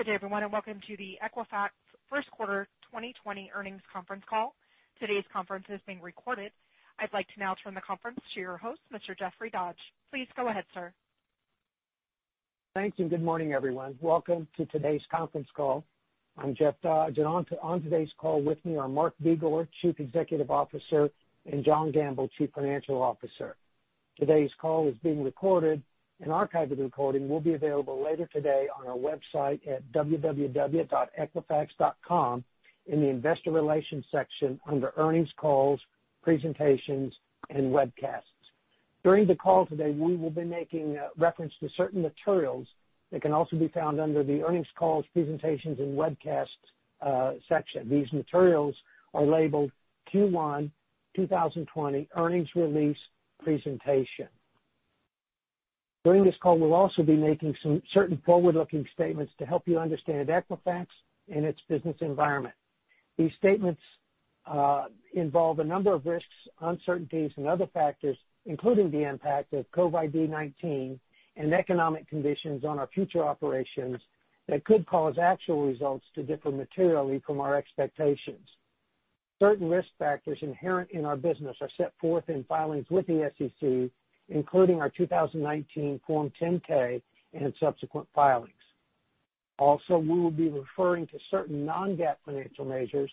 Good day, everyone, and welcome to the Equifax First Quarter 2020 Earnings Conference Call. Today's conference is being recorded. I'd like to now turn the conference to your host, Mr. Jeffrey Dodge. Please go ahead, sir. Thank you, and good morning, everyone. Welcome to today's conference call. I'm Jeff Dodge, and on today's call with me are Mark Begor, Chief Executive Officer, and John Gamble, Chief Financial Officer. Today's call is being recorded, and archival recording will be available later today on our website at www.equifax.com in the Investor Relations section under Earnings Calls, Presentations, and Webcasts. During the call today, we will be making reference to certain materials that can also be found under the Earnings Calls, Presentations, and Webcasts section. These materials are labeled Q1 2020 Earnings Release Presentation. During this call, we'll also be making some certain forward-looking statements to help you understand Equifax and its business environment. These statements involve a number of risks, uncertainties, and other factors, including the impact of COVID-19 and economic conditions on our future operations that could cause actual results to differ materially from our expectations. Certain risk factors inherent in our business are set forth in filings with the SEC, including our 2019 Form 10-K and subsequent filings. Also, we will be referring to certain non-GAAP financial measures,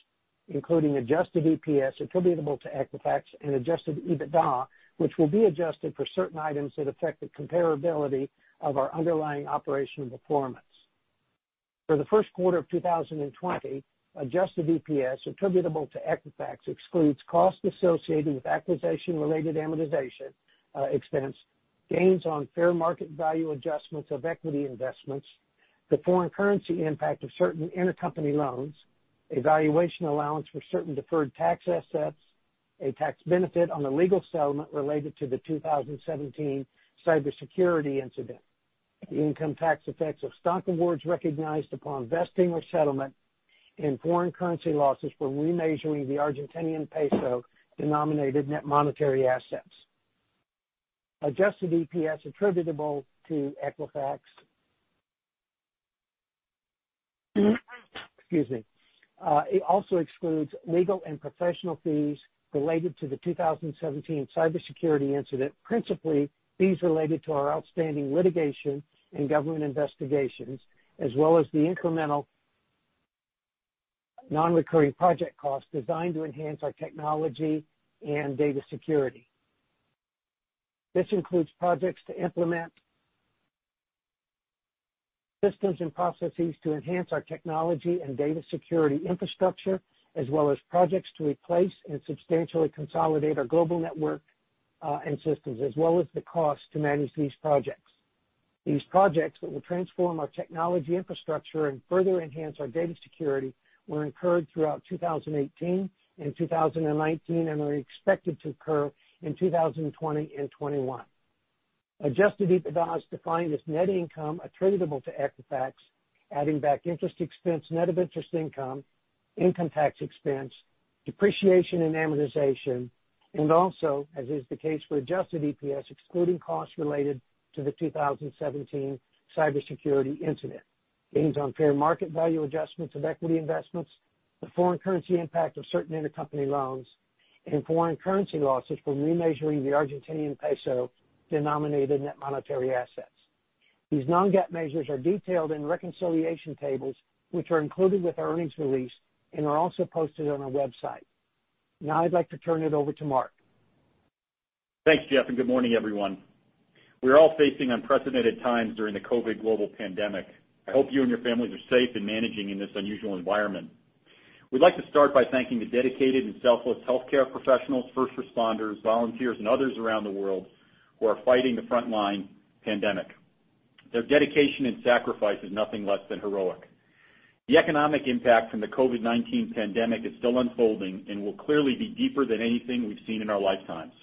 including Adjusted EPS attributable to Equifax and Adjusted EBITDA, which will be adjusted for certain items that affect the comparability of our underlying operational performance. For the first quarter of 2020, adjusted EPS attributable to Equifax excludes costs associated with acquisition-related amortization expense, gains on fair market value adjustments of equity investments, the foreign currency impact of certain intercompany loans, a valuation allowance for certain deferred tax assets, a tax benefit on a legal settlement related to the 2017 cybersecurity incident, the income tax effects of stock awards recognized upon vesting or settlement, and foreign currency losses for remeasuring the Argentinian peso-denominated net monetary assets. Adjusted EPS attributable to Equifax, excuse me, it also excludes legal and professional fees related to the 2017 cybersecurity incident, principally fees related to our outstanding litigation and government investigations, as well as the incremental non-recurring project costs designed to enhance our technology and data security. This includes projects to implement systems and processes to enhance our technology and data security infrastructure, as well as projects to replace and substantially consolidate our global network and systems, as well as the costs to manage these projects. These projects that will transform our technology infrastructure and further enhance our data security were incurred throughout 2018 and 2019 and are expected to occur in 2020 and 2021. Adjusted EBITDA defined as net income attributable to Equifax, adding back interest expense, net of interest income, income tax expense, depreciation and amortization, and also, as is the case for Adjusted EPS, excluding costs related to the 2017 cybersecurity incident, gains on fair market value adjustments of equity investments, the foreign currency impact of certain intercompany loans, and foreign currency losses for remeasuring the Argentinian peso-denominated net monetary assets. These non-GAAP measures are detailed in reconciliation tables, which are included with our earnings release and are also posted on our website. Now, I'd like to turn it over to Mark. Thank you, Jeff, and good morning, everyone. We are all facing unprecedented times during the COVID global pandemic. I hope you and your families are safe and managing in this unusual environment. We'd like to start by thanking the dedicated and selfless healthcare professionals, first responders, volunteers, and others around the world who are fighting the frontline pandemic. Their dedication and sacrifice is nothing less than heroic. The economic impact from the COVID-19 pandemic is still unfolding and will clearly be deeper than anything we've seen in our lifetimes.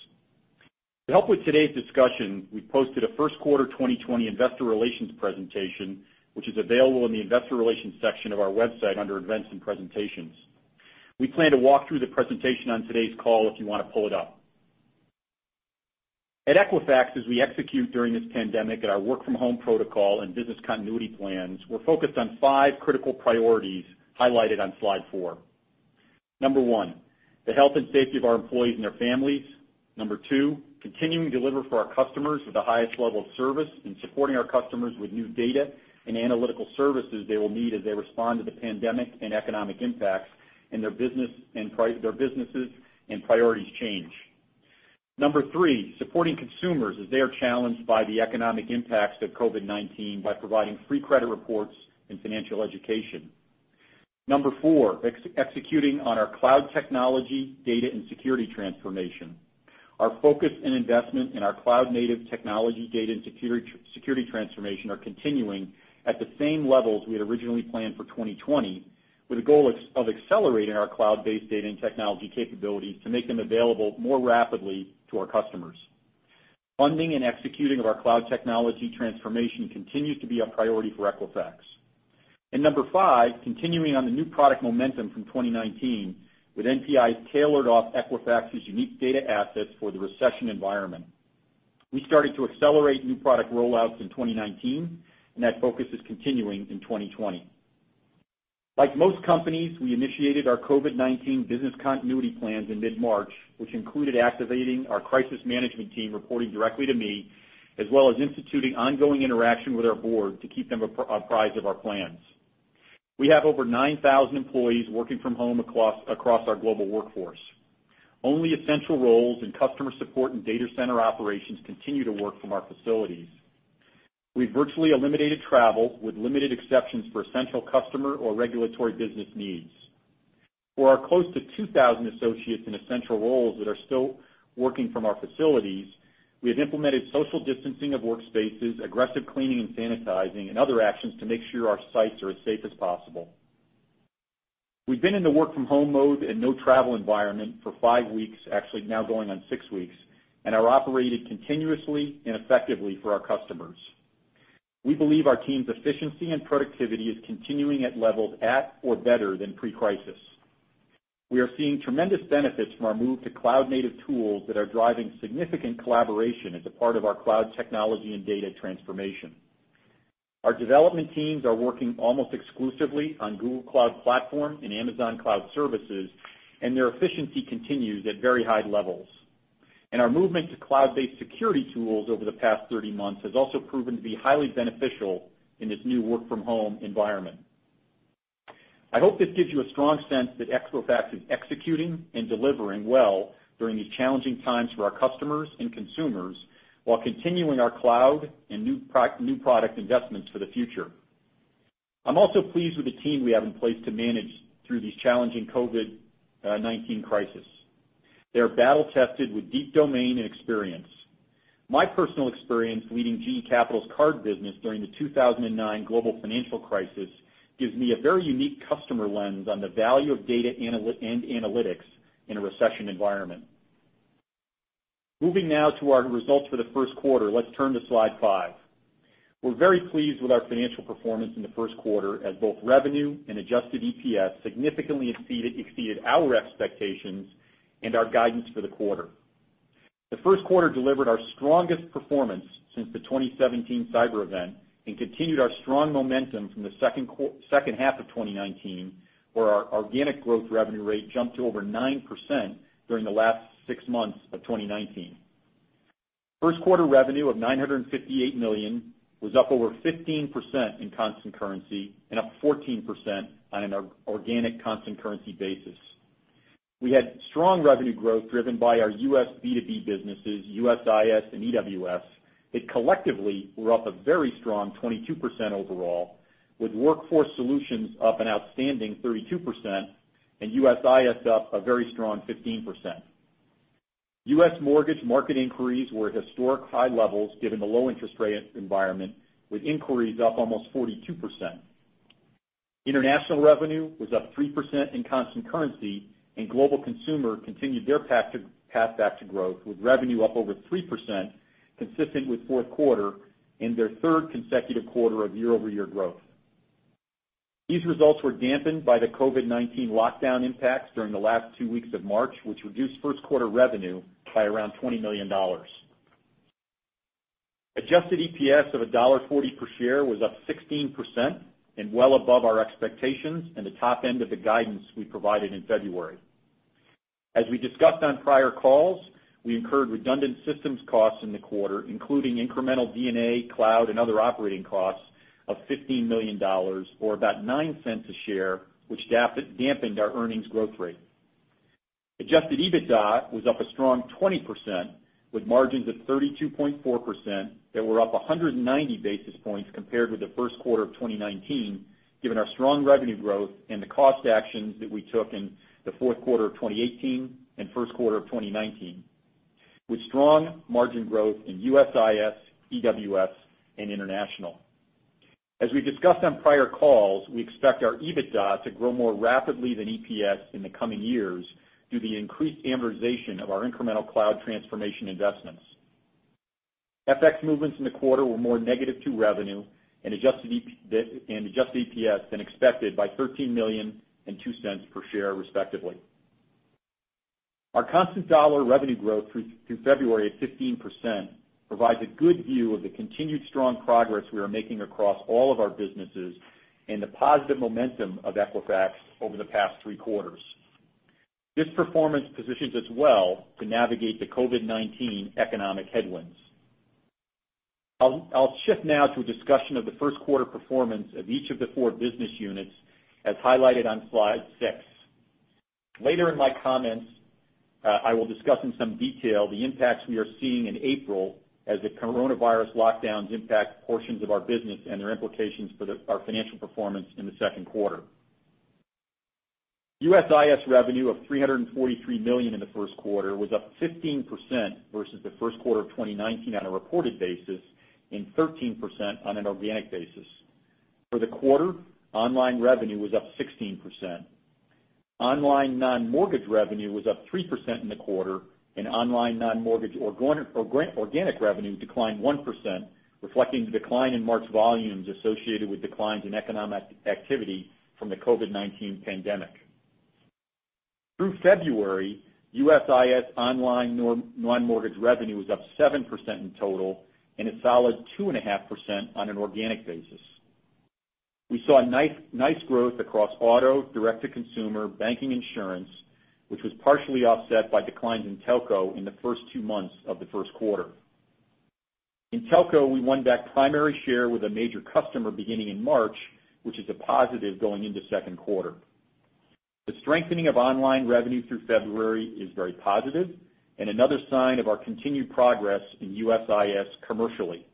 To help with today's discussion, we posted a First Quarter 2020 Investor Relations presentation, which is available in the Investor Relations section of our website under Events and Presentations. We plan to walk through the presentation on today's call if you want to pull it up. At Equifax, as we execute during this pandemic at our work-from-home protocol and business continuity plans, we're focused on five critical priorities highlighted on slide four. Number one, the health and safety of our employees and their families. Number two, continuing to deliver for our customers with the highest level of service and supporting our customers with new data and analytical services they will need as they respond to the pandemic and economic impacts in their businesses and priorities change. Number three, supporting consumers as they are challenged by the economic impacts of COVID-19 by providing free credit reports and financial education. Number four, executing on our cloud technology data and security transformation. Our focus and investment in our cloud-native technology data and security transformation are continuing at the same levels we had originally planned for 2020, with a goal of accelerating our cloud-based data and technology capabilities to make them available more rapidly to our customers. Funding and executing of our cloud technology transformation continues to be a priority for Equifax. Number five, continuing on the new product momentum from 2019 with NPIs tailored off Equifax's unique data assets for the recession environment. We started to accelerate new product rollouts in 2019, and that focus is continuing in 2020. Like most companies, we initiated our COVID-19 business continuity plans in mid-March, which included activating our crisis management team reporting directly to me, as well as instituting ongoing interaction with our board to keep them apprised of our plans. We have over 9,000 employees working from home across our global workforce. Only essential roles in customer support and data center operations continue to work from our facilities. We've virtually eliminated travel with limited exceptions for essential customer or regulatory business needs. For our close to 2,000 associates in essential roles that are still working from our facilities, we have implemented social distancing of workspaces, aggressive cleaning and sanitizing, and other actions to make sure our sites are as safe as possible. We've been in the work-from-home mode and no-travel environment for five weeks, actually now going on six weeks, and are operating continuously and effectively for our customers. We believe our team's efficiency and productivity is continuing at levels at or better than pre-crisis. We are seeing tremendous benefits from our move to cloud-native tools that are driving significant collaboration as a part of our cloud technology and data transformation. Our development teams are working almost exclusively on Google Cloud Platform and Amazon Cloud Services, and their efficiency continues at very high levels. Our movement to cloud-based security tools over the past 30 months has also proven to be highly beneficial in this new work-from-home environment. I hope this gives you a strong sense that Equifax is executing and delivering well during these challenging times for our customers and consumers while continuing our cloud and new product investments for the future. I'm also pleased with the team we have in place to manage through this challenging COVID-19 crisis. They are battle-tested with deep domain and experience. My personal experience leading GE Capital's card business during the 2009 global financial crisis gives me a very unique customer lens on the value of data and analytics in a recession environment. Moving now to our results for the first quarter, let's turn to slide five. We're very pleased with our financial performance in the first quarter as both revenue and Adjusted EPS significantly exceeded our expectations and our guidance for the quarter. The first quarter delivered our strongest performance since the 2017 cyber event and continued our strong momentum from the second half of 2019, where our organic growth revenue rate jumped to over 9% during the last six months of 2019. First quarter revenue of $958 million was up over 15% in constant currency and up 14% on an organic constant currency basis. We had strong revenue growth driven by our U.S. B2B businesses, USIS, and EWS, that collectively were up a very strong 22% overall, with Workforce Solutions up an outstanding 32% and USIS up a very strong 15%. US mortgage market inquiries were at historic high levels given the low interest rate environment, with inquiries up almost 42%. International revenue was up 3% in constant currency, and global consumer continued their path back to growth, with revenue up over 3%, consistent with fourth quarter and their third consecutive quarter of year-over-year growth. These results were dampened by the COVID-19 lockdown impacts during the last two weeks of March, which reduced first quarter revenue by around $20 million. Adjusted EPS of $1.40 per share was up 16% and well above our expectations and the top end of the guidance we provided in February. As we discussed on prior calls, we incurred redundant systems costs in the quarter, including incremental DNA, cloud, and other operating costs of $15 million, or about $0.09 a share, which dampened our earnings growth rate. Adjusted EBITDA was up a strong 20%, with margins of 32.4% that were up 190 basis points compared with the first quarter of 2019, given our strong revenue growth and the cost actions that we took in the fourth quarter of 2018 and first quarter of 2019, with strong margin growth in USIS, EWS, and international. As we discussed on prior calls, we expect our EBITDA to grow more rapidly than EPS in the coming years due to the increased amortization of our incremental cloud transformation investments. FX movements in the quarter were more negative to revenue and Adjusted EPS than expected by $13 million and $0.02 per share, respectively. Our constant dollar revenue growth through February at 15% provides a good view of the continued strong progress we are making across all of our businesses and the positive momentum of Equifax over the past three quarters. This performance positions us well to navigate the COVID-19 economic headwinds. I'll shift now to a discussion of the first quarter performance of each of the four business units, as highlighted on slide six. Later in my comments, I will discuss in some detail the impacts we are seeing in April as the coronavirus lockdowns impact portions of our business and their implications for our financial performance in the second quarter. USIS revenue of $343 million in the first quarter was up 15% versus the first quarter of 2019 on a reported basis and 13% on an organic basis. For the quarter, online revenue was up 16%. Online non-mortgage revenue was up 3% in the quarter, and online non-mortgage organic revenue declined 1%, reflecting the decline in March volumes associated with declines in economic activity from the COVID-19 pandemic. Through February, USIS online non-mortgage revenue was up 7% in total and a solid 2.5% on an organic basis. We saw nice growth across auto, direct-to-consumer, banking, insurance, which was partially offset by declines in telco in the first two months of the first quarter. In telco, we won back primary share with a major customer beginning in March, which is a positive going into second quarter. The strengthening of online revenue through February is very positive and another sign of our continued progress in USIS commercially.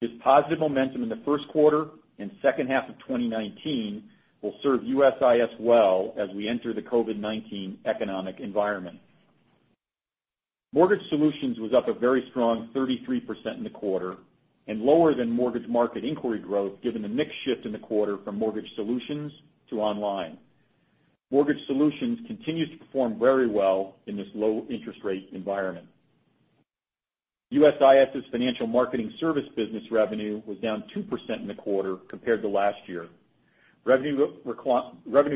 This positive momentum in the first quarter and second half of 2019 will serve USIS well as we enter the COVID-19 economic environment. Mortgage Solutions was up a very strong 33% in the quarter and lower than mortgage market inquiry growth given the mixed shift in the quarter from Mortgage Solutions to online. Mortgage Solutions continues to perform very well in this low interest rate environment. USIS's Financial Marketing Services business revenue was down 2% in the quarter compared to last year. Revenue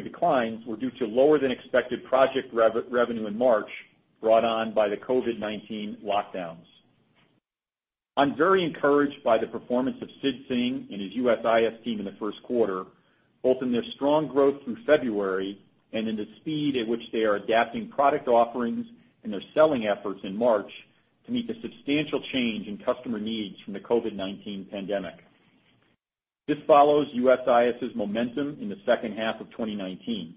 declines were due to lower than expected project revenue in March brought on by the COVID-19 lockdowns. I'm very encouraged by the performance of Sid Singh and his USIS team in the first quarter, both in their strong growth through February and in the speed at which they are adapting product offerings and their selling efforts in March to meet the substantial change in customer needs from the COVID-19 pandemic. This follows USIS's momentum in the second half of 2019.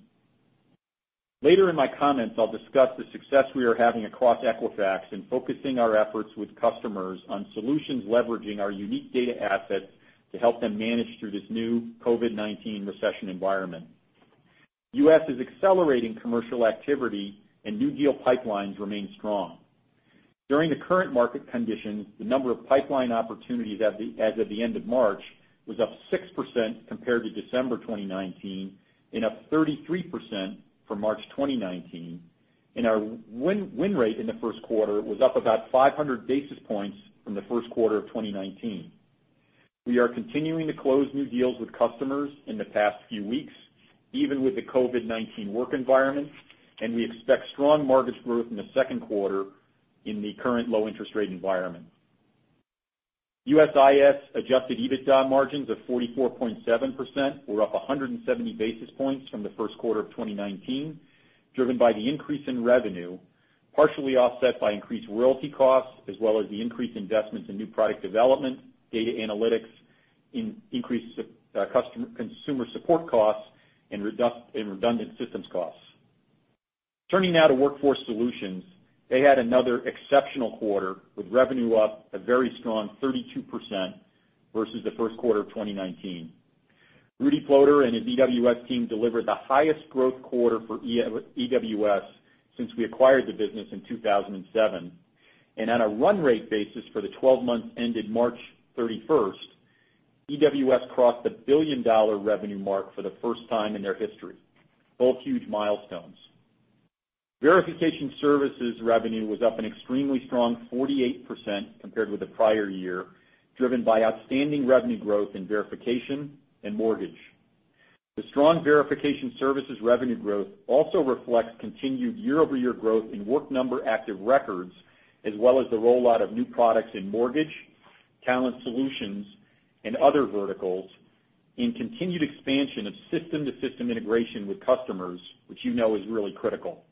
Later in my comments, I'll discuss the success we are having across Equifax and focusing our efforts with customers on solutions leveraging our unique data assets to help them manage through this new COVID-19 recession environment. US is accelerating commercial activity, and New Deal pipelines remain strong. During the current market conditions, the number of pipeline opportunities as of the end of March was up 6% compared to December 2019 and up 33% from March 2019, and our win rate in the first quarter was up about 500 basis points from the first quarter of 2019. We are continuing to close New Deals with customers in the past few weeks, even with the COVID-19 work environment, and we expect strong mortgage growth in the second quarter in the current low interest rate environment. USIS Adjusted EBITDA margins of 44.7% were up 170 basis points from the first quarter of 2019, driven by the increase in revenue, partially offset by increased royalty costs, as well as the increased investments in new product development, data analytics, increased consumer support costs, and redundant systems costs. Turning now to Workforce Solutions, they had another exceptional quarter with revenue up a very strong 32% versus the first quarter of 2019. Rudy Ploder and his EWS team delivered the highest growth quarter for EWS since we acquired the business in 2007, and on a run rate basis for the 12 months ended March 31st, EWS crossed the billion-dollar revenue mark for the first time in their history, both huge milestones. Verification Services revenue was up an extremely strong 48% compared with the prior year, driven by outstanding revenue growth in verification and mortgage. The strong Verification Services revenue growth also reflects continued year-over-year growth in work number active records, as well as the rollout of new products in mortgage, talent solutions, and other verticals, and continued expansion of system-to-system integration with customers, which you know is really critical.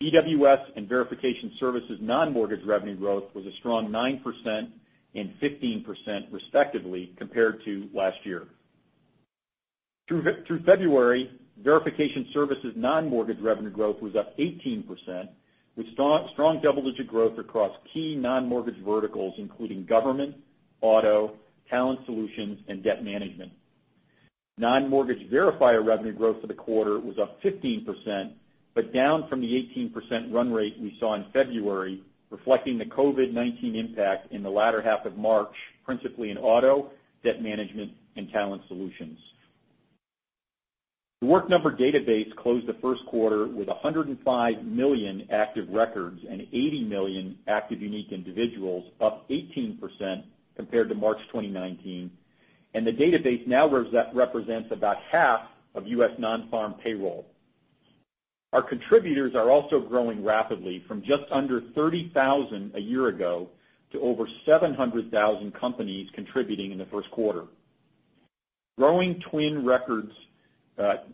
EWS and Verification Services non-mortgage revenue growth was a strong 9% and 15% respectively compared to last year. Through February, Verification Services non-mortgage revenue growth was up 18%, with strong double-digit growth across key non-mortgage verticals including government, auto, talent solutions, and debt management. Non-mortgage Verifier revenue growth for the quarter was up 15%, but down from the 18% run rate we saw in February, reflecting the COVID-19 impact in the latter half of March, principally in auto, debt management, and talent solutions. The Work Number database closed the first quarter with 105 million active records and 80 million active unique individuals, up 18% compared to March 2019, and the database now represents about half of U.S. non-farm payroll. Our contributors are also growing rapidly from just under 30,000 a year ago to over 700,000 companies contributing in the first quarter. Growing twin records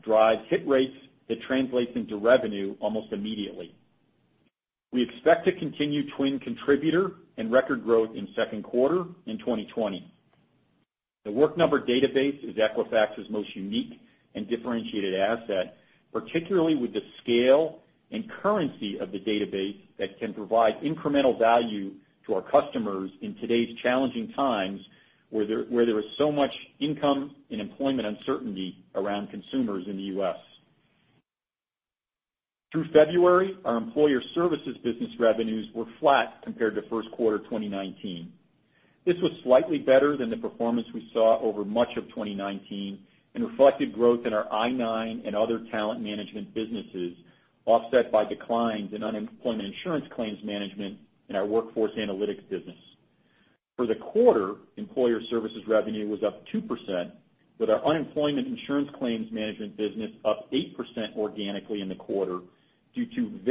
drive hit rates that translate into revenue almost immediately. We expect to continue twin contributor and record growth in second quarter in 2020. The Work Number database is Equifax's most unique and differentiated asset, particularly with the scale and currency of the database that can provide incremental value to our customers in today's challenging times where there is so much income and employment uncertainty around consumers in the U.S. Through February, our employer services business revenues were flat compared to first quarter 2019. This was slightly better than the performance we saw over much of 2019 and reflected growth in our I-9 and other talent management businesses, offset by declines in unemployment insurance claims management and our workforce analytics business. For the quarter, employer services revenue was up 2%, with our unemployment insurance claims management business up 8% organically in the quarter due to a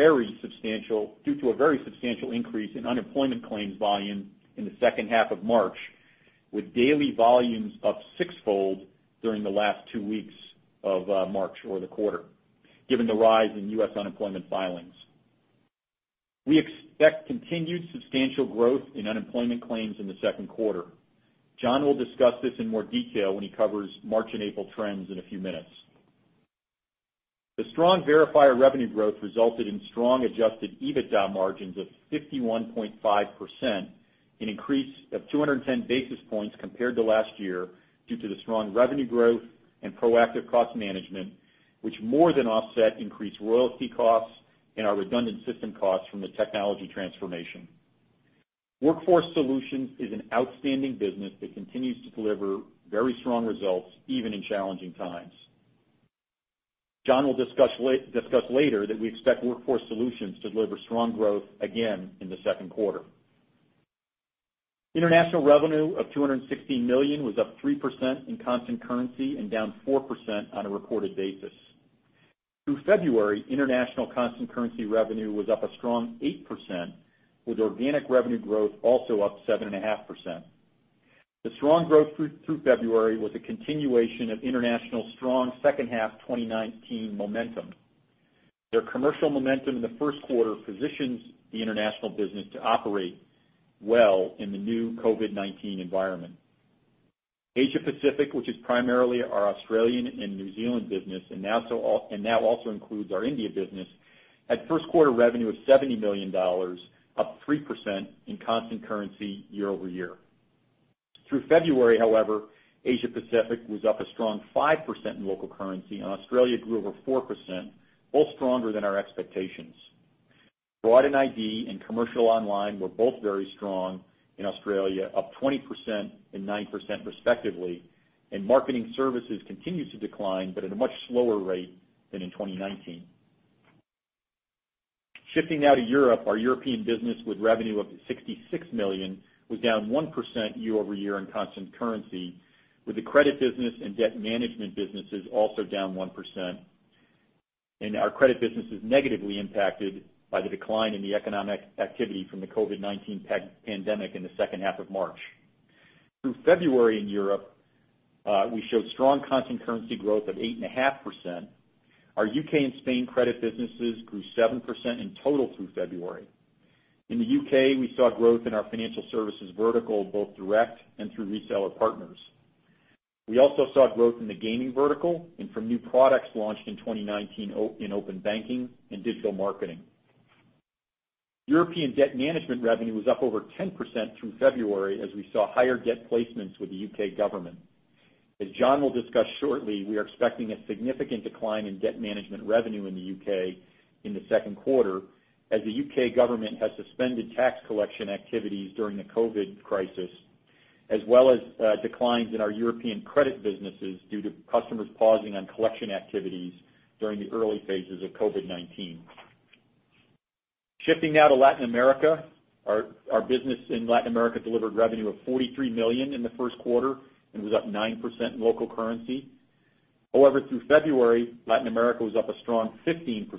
very substantial increase in unemployment claims volume in the second half of March, with daily volumes up sixfold during the last two weeks of March or the quarter, given the rise in U.S. unemployment filings. We expect continued substantial growth in unemployment claims in the second quarter. John will discuss this in more detail when he covers March and April trends in a few minutes. The strong Verifier revenue growth resulted in strong Adjusted EBITDA margins of 51.5%, an increase of 210 basis points compared to last year due to the strong revenue growth and proactive cost management, which more than offset increased royalty costs and our redundant system costs from the technology transformation. Workforce Solutions is an outstanding business that continues to deliver very strong results even in challenging times. John will discuss later that we expect Workforce Solutions to deliver strong growth again in the second quarter. International revenue of $216 million was up 3% in constant currency and down 4% on a reported basis. Through February, international constant currency revenue was up a strong 8%, with organic revenue growth also up 7.5%. The strong growth through February was a continuation of international strong second half 2019 momentum. Their commercial momentum in the first quarter positions the international business to operate well in the new COVID-19 environment. Asia Pacific, which is primarily our Australian and New Zealand business, and now also includes our India business, had first quarter revenue of $70 million, up 3% in constant currency year-over-year. Through February, however, Asia Pacific was up a strong 5% in local currency, and Australia grew over 4%, both stronger than our expectations. Fraud & ID and commercial online were both very strong in Australia, up 20% and 9% respectively, and marketing services continued to decline, but at a much slower rate than in 2019. Shifting now to Europe, our European business with revenue of $66 million was down 1% year-over-year in constant currency, with the credit business and debt management businesses also down 1%. Our credit business is negatively impacted by the decline in the economic activity from the COVID-19 pandemic in the second half of March. Through February in Europe, we showed strong constant currency growth of 8.5%. Our U.K. and Spain credit businesses grew 7% in total through February. In the U.K., we saw growth in our financial services vertical, both direct and through reseller partners. We also saw growth in the gaming vertical and from new products launched in 2019 in open banking and digital marketing. European debt management revenue was up over 10% through February as we saw higher debt placements with the U.K. government. As John will discuss shortly, we are expecting a significant decline in debt management revenue in the U.K. in the second quarter as the U.K. government has suspended tax collection activities during the COVID crisis, as well as declines in our European credit businesses due to customers pausing on collection activities during the early phases of COVID-19. Shifting now to Latin America, our business in Latin America delivered revenue of $43 million in the first quarter and was up 9% in local currency. However, through February, Latin America was up a strong 15%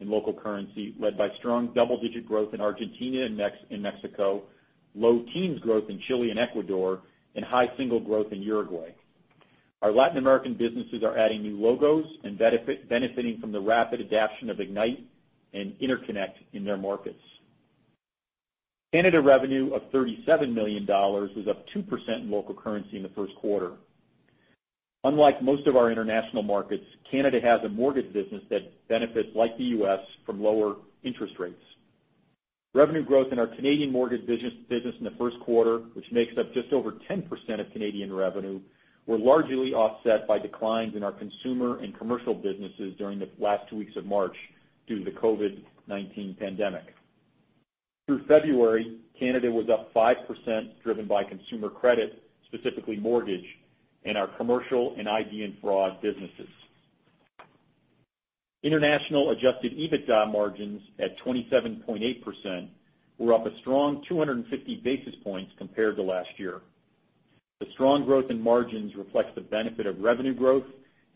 in local currency, led by strong double-digit growth in Argentina and Mexico, low teens growth in Chile and Ecuador, and high single growth in Uruguay. Our Latin American businesses are adding new logos and benefiting from the rapid adaption of Ignite and Interconnect in their markets. Canada revenue of $37 million was up 2% in local currency in the first quarter. Unlike most of our international markets, Canada has a mortgage business that benefits like the U.S. from lower interest rates. Revenue growth in our Canadian mortgage business in the first quarter, which makes up just over 10% of Canadian revenue, was largely offset by declines in our consumer and commercial businesses during the last two weeks of March due to the COVID-19 pandemic. Through February, Canada was up 5%, driven by consumer credit, specifically mortgage, and our commercial and ID and fraud businesses. International Adjusted EBITDA margins at 27.8% were up a strong 250 basis points compared to last year. The strong growth in margins reflects the benefit of revenue growth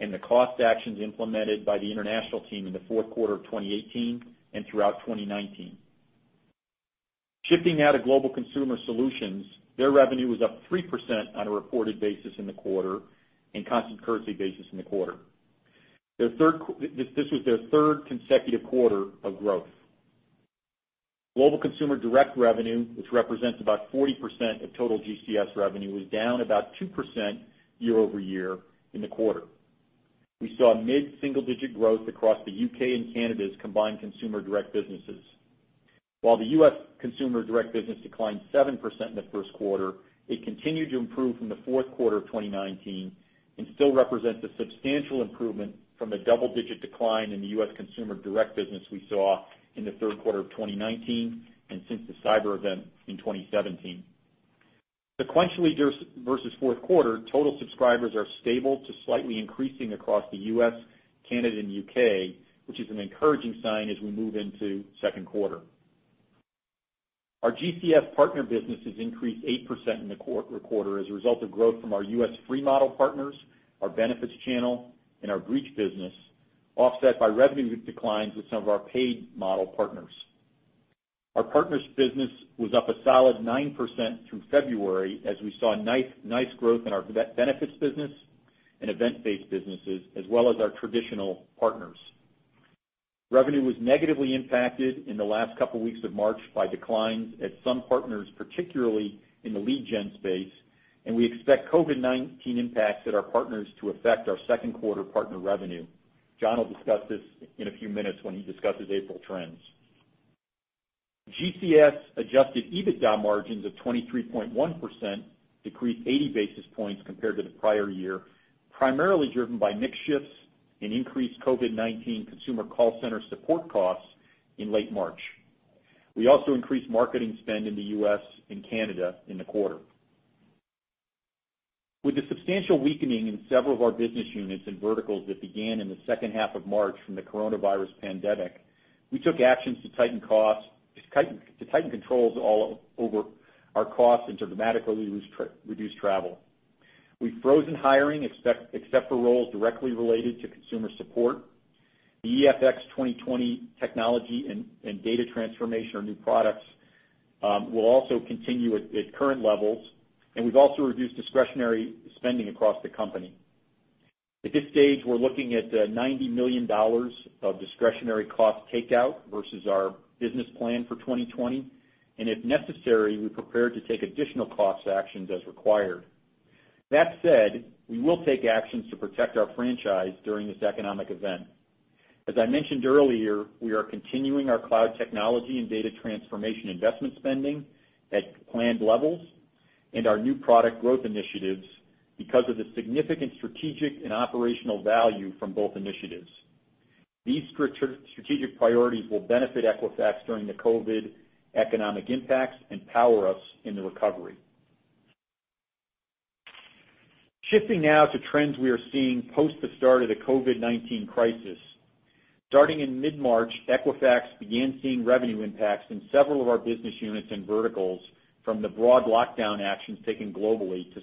and the cost actions implemented by the international team in the fourth quarter of 2018 and throughout 2019. Shifting now to Global Consumer Solutions, their revenue was up 3% on a reported basis in the quarter and constant currency basis in the quarter. This was their third consecutive quarter of growth. Global Consumer Direct revenue, which represents about 40% of total GCS revenue, was down about 2% year-over-year in the quarter. We saw mid-single-digit growth across the U.K. and Canada's combined consumer direct businesses. While the U.S. consumer direct business declined 7% in the first quarter, it continued to improve from the fourth quarter of 2019 and still represents a substantial improvement from the double-digit decline in the U.S. consumer direct business we saw in the third quarter of 2019 and since the cyber event in 2017. Sequentially versus fourth quarter, total subscribers are stable to slightly increasing across the U.S., Canada, and U.K., which is an encouraging sign as we move into second quarter. Our GCS partner business has increased 8% in the quarter as a result of growth from our U.S. free model partners, our benefits channel, and our breach business, offset by revenue declines with some of our paid model partners. Our partners' business was up a solid 9% through February as we saw nice growth in our benefits business and event-based businesses, as well as our traditional partners. Revenue was negatively impacted in the last couple of weeks of March by declines at some partners, particularly in the lead gen space, and we expect COVID-19 impacts at our partners to affect our second quarter partner revenue. John will discuss this in a few minutes when he discusses April trends. GCS Adjusted EBITDA margins of 23.1% decreased 80 basis points compared to the prior year, primarily driven by mix shifts and increased COVID-19 consumer call center support costs in late March. We also increased marketing spend in the U.S. and Canada in the quarter. With the substantial weakening in several of our business units and verticals that began in the second half of March from the coronavirus pandemic, we took actions to tighten controls all over our costs and to dramatically reduce travel. We froze hiring except for roles directly related to consumer support. The EFX 2020 technology and data transformation or new products will also continue at current levels, and we've also reduced discretionary spending across the company. At this stage, we're looking at $90 million of discretionary cost takeout versus our business plan for 2020, and if necessary, we're prepared to take additional cost actions as required. That said, we will take actions to protect our franchise during this economic event. As I mentioned earlier, we are continuing our cloud technology and data transformation investment spending at planned levels and our new product growth initiatives because of the significant strategic and operational value from both initiatives. These strategic priorities will benefit Equifax during the COVID economic impacts and power us in the recovery. Shifting now to trends we are seeing post the start of the COVID-19 crisis. Starting in mid-March, Equifax began seeing revenue impacts in several of our business units and verticals from the broad lockdown actions taken globally to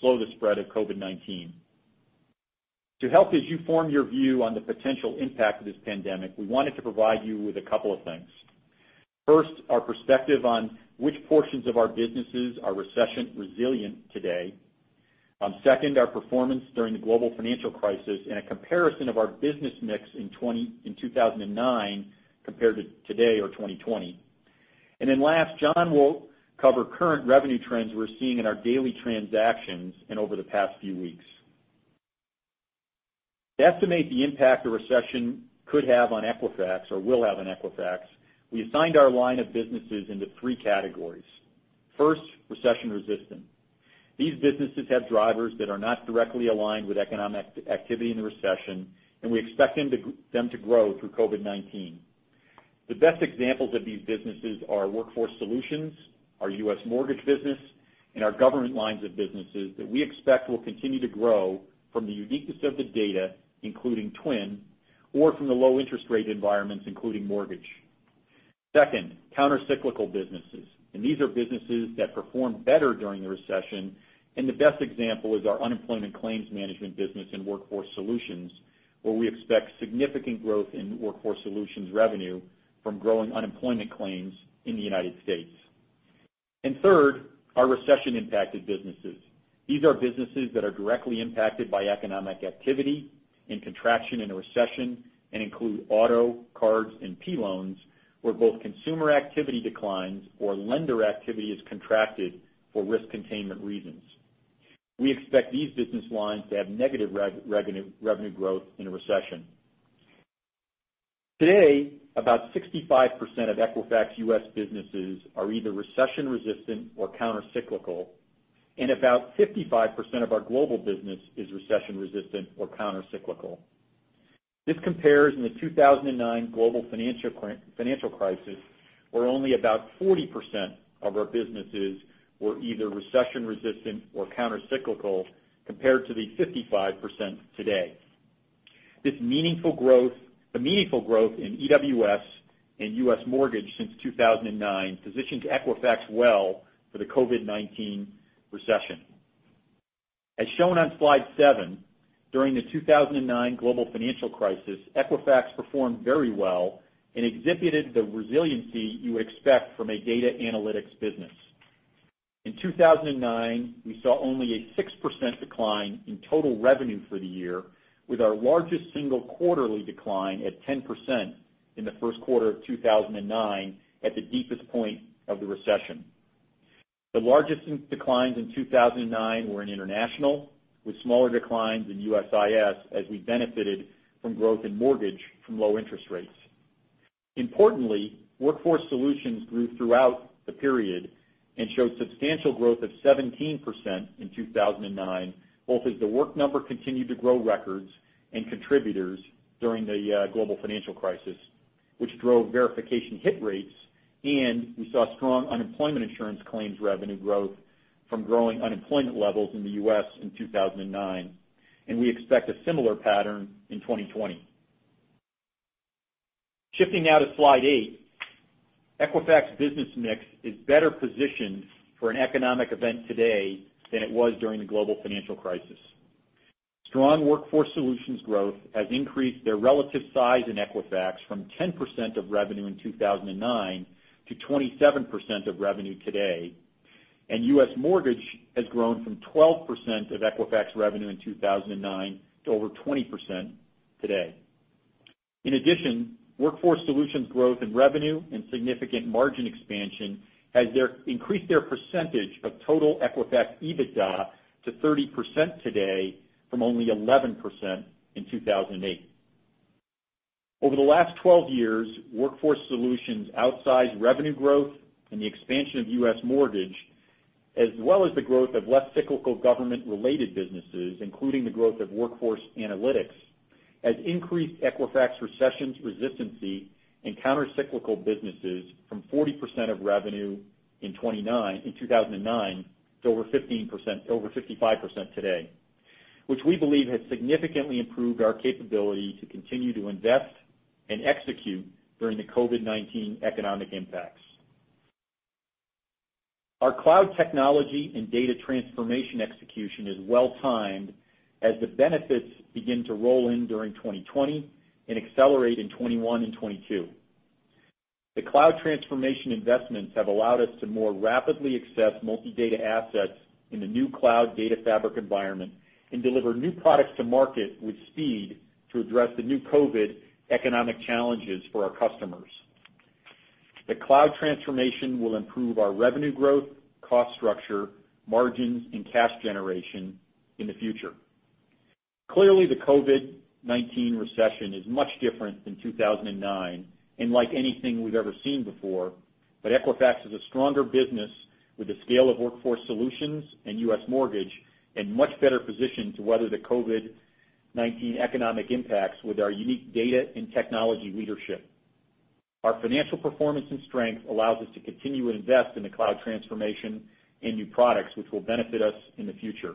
slow the spread of COVID-19. To help as you form your view on the potential impact of this pandemic, we wanted to provide you with a couple of things. First, our perspective on which portions of our businesses are recession resilient today. Second, our performance during the global financial crisis and a comparison of our business mix in 2009 compared to today or 2020. Last, John will cover current revenue trends we're seeing in our daily transactions and over the past few weeks. To estimate the impact a recession could have on Equifax or will have on Equifax, we assigned our line of businesses into three categories. First, recession resistant. These businesses have drivers that are not directly aligned with economic activity in the recession, and we expect them to grow through COVID-19. The best examples of these businesses are Workforce Solutions, our U.S. mortgage business, and our government lines of businesses that we expect will continue to grow from the uniqueness of the data, including Twin, or from the low interest rate environments, including mortgage. Second, countercyclical businesses. These are businesses that performed better during the recession, and the best example is our unemployment claims management business in Workforce Solutions, where we expect significant growth in Workforce Solutions revenue from growing unemployment claims in the United States. Third, our recession impacted businesses. These are businesses that are directly impacted by economic activity and contraction in a recession and include auto, cards, and P loans, where both consumer activity declines or lender activity is contracted for risk containment reasons. We expect these business lines to have negative revenue growth in a recession. Today, about 65% of Equifax U.S. businesses are either recession resistant or countercyclical, and about 55% of our global business is recession resistant or countercyclical. This compares in the 2009 global financial crisis, where only about 40% of our businesses were either recession resistant or countercyclical compared to the 55% today. This meaningful growth in EWS and U.S. mortgage since 2009 positions Equifax well for the COVID-19 recession. As shown on slide seven, during the 2009 global financial crisis, Equifax performed very well and exhibited the resiliency you would expect from a data analytics business. In 2009, we saw only a 6% decline in total revenue for the year, with our largest single quarterly decline at 10% in the first quarter of 2009 at the deepest point of the recession. The largest declines in 2009 were in international, with smaller declines in USIS as we benefited from growth in mortgage from low interest rates. Importantly, Workforce Solutions grew throughout the period and showed substantial growth of 17% in 2009, both as The Work Number continued to grow records and contributors during the global financial crisis, which drove verification hit rates, and we saw strong unemployment insurance claims revenue growth from growing unemployment levels in the U.S. in 2009. We expect a similar pattern in 2020. Shifting now to slide eight, Equifax business mix is better positioned for an economic event today than it was during the global financial crisis. Strong Workforce Solutions growth has increased their relative size in Equifax from 10% of revenue in 2009 to 27% of revenue today, and U.S. mortgage has grown from 12% of Equifax revenue in 2009 to over 20% today. In addition, Workforce Solutions growth in revenue and significant margin expansion has increased their percentage of total Equifax EBITDA to 30% today from only 11% in 2008. Over the last 12 years, Workforce Solutions outsized revenue growth and the expansion of U.S. mortgage, as well as the growth of less cyclical government-related businesses, including the growth of workforce analytics, has increased Equifax recession resistance and countercyclical businesses from 40% of revenue in 2009 to over 55% today, which we believe has significantly improved our capability to continue to invest and execute during the COVID-19 economic impacts. Our cloud technology and data transformation execution is well timed as the benefits begin to roll in during 2020 and accelerate in 2021 and 2022. The cloud transformation investments have allowed us to more rapidly access multi-data assets in the new cloud data fabric environment and deliver new products to market with speed to address the new COVID economic challenges for our customers. The cloud transformation will improve our revenue growth, cost structure, margins, and cash generation in the future. Clearly, the COVID-19 recession is much different than 2009, and like anything we've ever seen before, but Equifax is a stronger business with the scale of Workforce Solutions and US mortgage and much better positioned to weather the COVID-19 economic impacts with our unique data and technology leadership. Our financial performance and strength allows us to continue to invest in the cloud transformation and new products, which will benefit us in the future.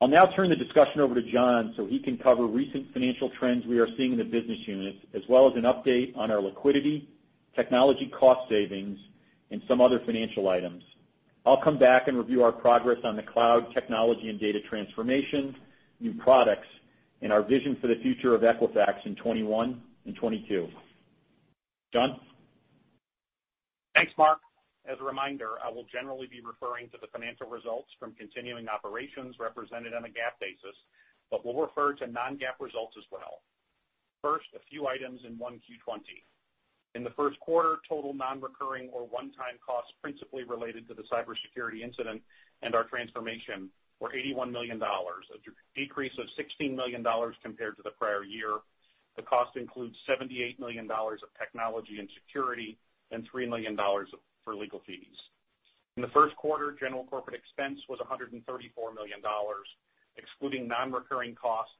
I'll now turn the discussion over to John so he can cover recent financial trends we are seeing in the business units, as well as an update on our liquidity, technology cost savings, and some other financial items. I'll come back and review our progress on the cloud technology and data transformation, new products, and our vision for the future of Equifax in 2021 and 2022. John? Thanks, Mark. As a reminder, I will generally be referring to the financial results from continuing operations represented on a GAAP basis, but we'll refer to non-GAAP results as well. First, a few items in 1Q 2020. In the first quarter, total non-recurring or one-time costs principally related to the cybersecurity incident and our transformation were $81 million, a decrease of $16 million compared to the prior year. The cost includes $78 million of technology and security and $3 million for legal fees. In the first quarter, general corporate expense was $134 million. Excluding non-recurring costs,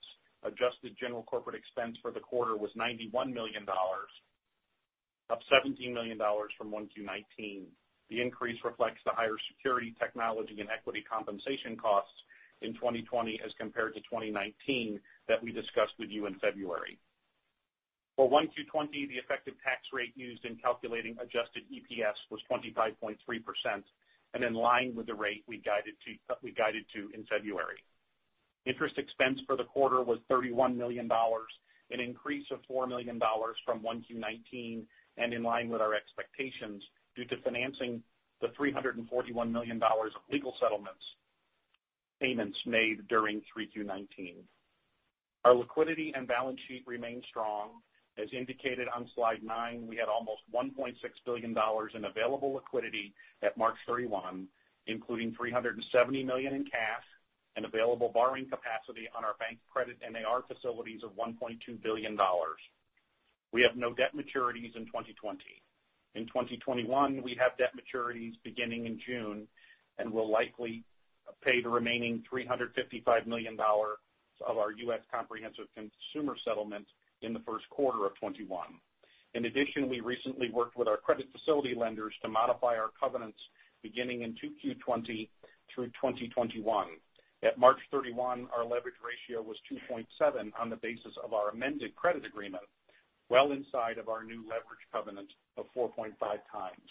adjusted general corporate expense for the quarter was $91 million, up $17 million from 1Q 2019. The increase reflects the higher security technology and equity compensation costs in 2020 as compared to 2019 that we discussed with you in February. For 1Q 2020, the effective tax rate used in calculating Adjusted EPS was 25.3% and in line with the rate we guided to in February. Interest expense for the quarter was $31 million, an increase of $4 million from 1Q 2019 and in line with our expectations due to financing the $341 million of legal settlements made during 3Q 2019. Our liquidity and balance sheet remained strong. As indicated on slide nine, we had almost $1.6 billion in available liquidity at March 31, including $370 million in cash and available borrowing capacity on our bank credit and AR facilities of $1.2 billion. We have no debt maturities in 2020. In 2021, we have debt maturities beginning in June and will likely pay the remaining $355 million of our U.S. comprehensive consumer settlement in the first quarter of 2021. In addition, we recently worked with our credit facility lenders to modify our covenants beginning in 2Q 2020 through 2021. At March 31, our leverage ratio was 2.7 on the basis of our amended credit agreement, well inside of our new leverage covenant of 4.5 times.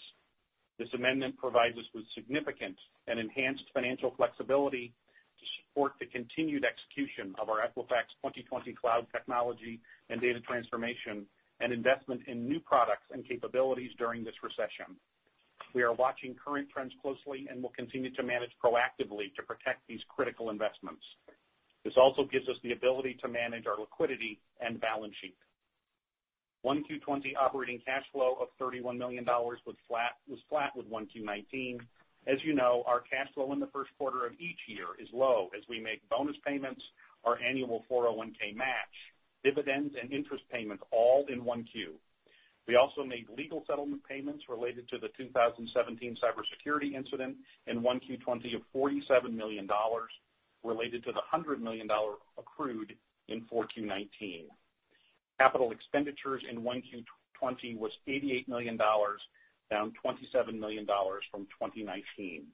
This amendment provides us with significant and enhanced financial flexibility to support the continued execution of our Equifax 2020 cloud technology and data transformation and investment in new products and capabilities during this recession. We are watching current trends closely and will continue to manage proactively to protect these critical investments. This also gives us the ability to manage our liquidity and balance sheet. 1Q 2020 operating cash flow of $31 million was flat with 1Q 2019. As you know, our cash flow in the first quarter of each year is low as we make bonus payments, our annual 401(k) match, dividends, and interest payments all in 1Q. We also made legal settlement payments related to the 2017 cybersecurity incident in 1Q 2020 of $47 million related to the $100 million accrued in 4Q 2019. Capital expenditures in 1Q 2020 was $88 million, down $27 million from 2019.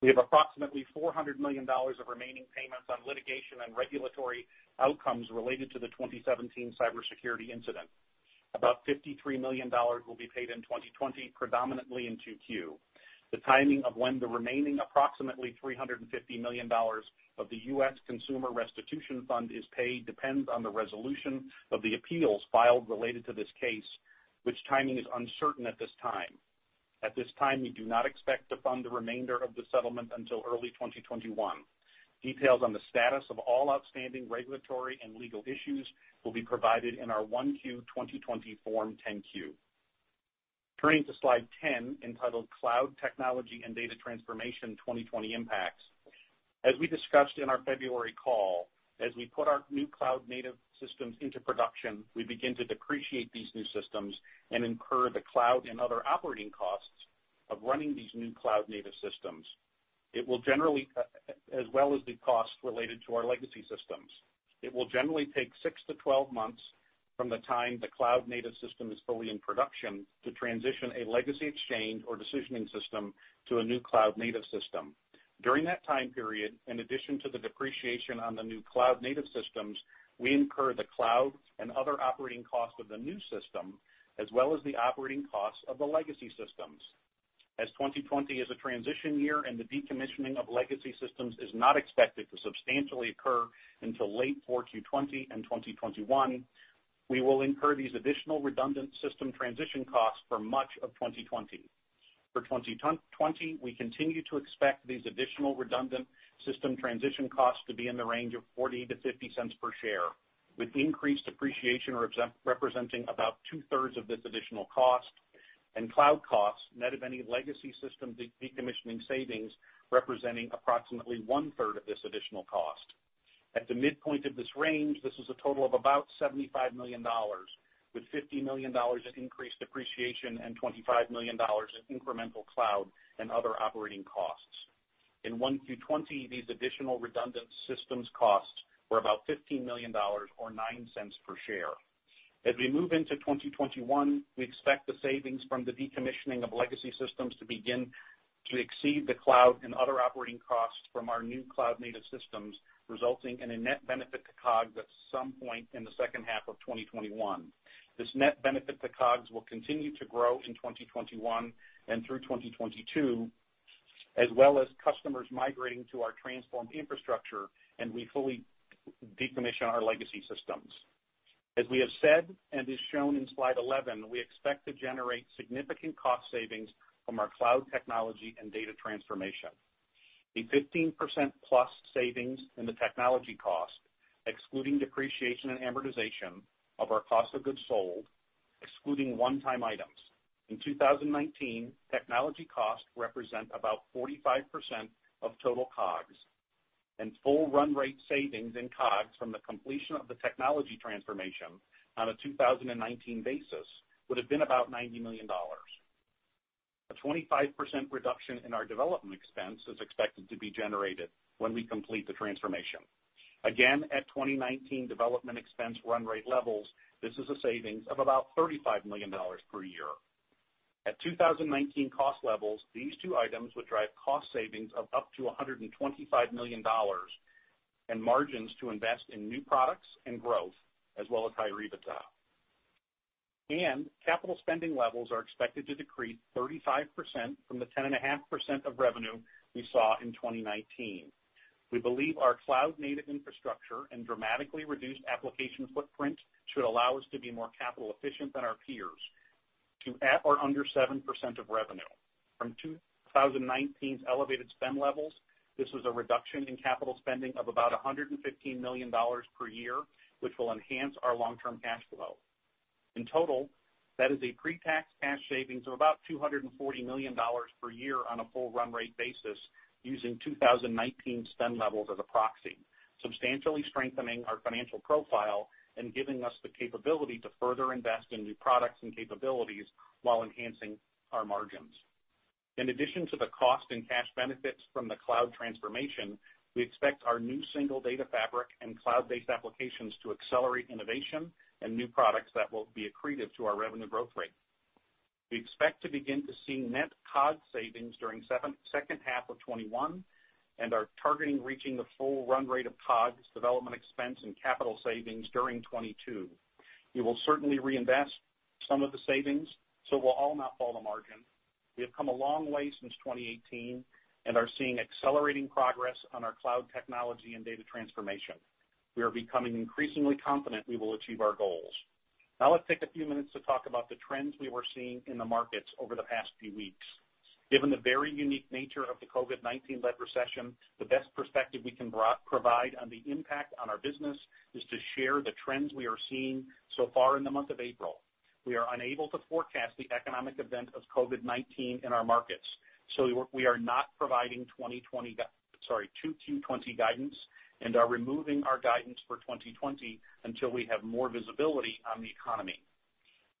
We have approximately $400 million of remaining payments on litigation and regulatory outcomes related to the 2017 cybersecurity incident. About $53 million will be paid in 2020, predominantly in 2Q. The timing of when the remaining approximately $350 million of the U.S. consumer restitution fund is paid depends on the resolution of the appeals filed related to this case, which timing is uncertain at this time. At this time, we do not expect to fund the remainder of the settlement until early 2021. Details on the status of all outstanding regulatory and legal issues will be provided in our 1Q 2020 Form 10-Q. Turning to slide 10 entitled Cloud Technology and Data Transformation 2020 Impacts. As we discussed in our February call, as we put our new cloud-native systems into production, we begin to depreciate these new systems and incur the cloud and other operating costs of running these new cloud-native systems. It will generally, as well as the costs related to our legacy systems, it will generally take 6-12 months from the time the cloud-native system is fully in production to transition a legacy exchange or decisioning system to a new cloud-native system. During that time period, in addition to the depreciation on the new cloud-native systems, we incur the cloud and other operating costs of the new system, as well as the operating costs of the legacy systems. As 2020 is a transition year and the decommissioning of legacy systems is not expected to substantially occur until late 4Q 2020 and 2021, we will incur these additional redundant system transition costs for much of 2020. For 2020, we continue to expect these additional redundant system transition costs to be in the range of $0.40-$0.50 per share, with increased depreciation representing about 2/3 of this additional cost, and cloud costs net of any legacy system decommissioning savings representing approximately 1/3 of this additional cost. At the midpoint of this range, this is a total of about $75 million, with $50 million in increased depreciation and $25 million in incremental cloud and other operating costs. In 1Q 2020, these additional redundant systems costs were about $15 million or $0.09 per share. As we move into 2021, we expect the savings from the decommissioning of legacy systems to begin to exceed the cloud and other operating costs from our new cloud-native systems, resulting in a net benefit to COGS at some point in the second half of 2021. This net benefit to COGS will continue to grow in 2021 and through 2022, as well as customers migrating to our transformed infrastructure and we fully decommission our legacy systems. As we have said and is shown in slide 11, we expect to generate significant cost savings from our cloud technology and data transformation. A 15%+ savings in the technology cost, excluding depreciation and amortization of our cost of goods sold, excluding one-time items. In 2019, technology costs represent about 45% of total COGS, and full run rate savings in COGS from the completion of the technology transformation on a 2019 basis would have been about $90 million. A 25% reduction in our development expense is expected to be generated when we complete the transformation. Again, at 2019 development expense run rate levels, this is a savings of about $35 million per year. At 2019 cost levels, these two items would drive cost savings of up to $125 million and margins to invest in new products and growth, as well as higher EBITDA. Capital spending levels are expected to decrease 35% from the 10.5% of revenue we saw in 2019. We believe our cloud-native infrastructure and dramatically reduced application footprint should allow us to be more capital efficient than our peers to at or under 7% of revenue. From 2019's elevated spend levels, this is a reduction in capital spending of about $115 million per year, which will enhance our long-term cash flow. In total, that is a pre-tax cash savings of about $240 million per year on a full run rate basis using 2019 spend levels as a proxy, substantially strengthening our financial profile and giving us the capability to further invest in new products and capabilities while enhancing our margins. In addition to the cost and cash benefits from the cloud transformation, we expect our new single data fabric and cloud-based applications to accelerate innovation and new products that will be accretive to our revenue growth rate. We expect to begin to see net COGS savings during the second half of 2021 and are targeting reaching the full run rate of COGS development expense and capital savings during 2022. We will certainly reinvest some of the savings, so we'll all not fall to margin. We have come a long way since 2018 and are seeing accelerating progress on our cloud technology and data transformation. We are becoming increasingly confident we will achieve our goals. Now let's take a few minutes to talk about the trends we were seeing in the markets over the past few weeks. Given the very unique nature of the COVID-19-led recession, the best perspective we can provide on the impact on our business is to share the trends we are seeing so far in the month of April. We are unable to forecast the economic event of COVID-19 in our markets, so we are not providing 2020, sorry, 2Q 2020 guidance and are removing our guidance for 2020 until we have more visibility on the economy.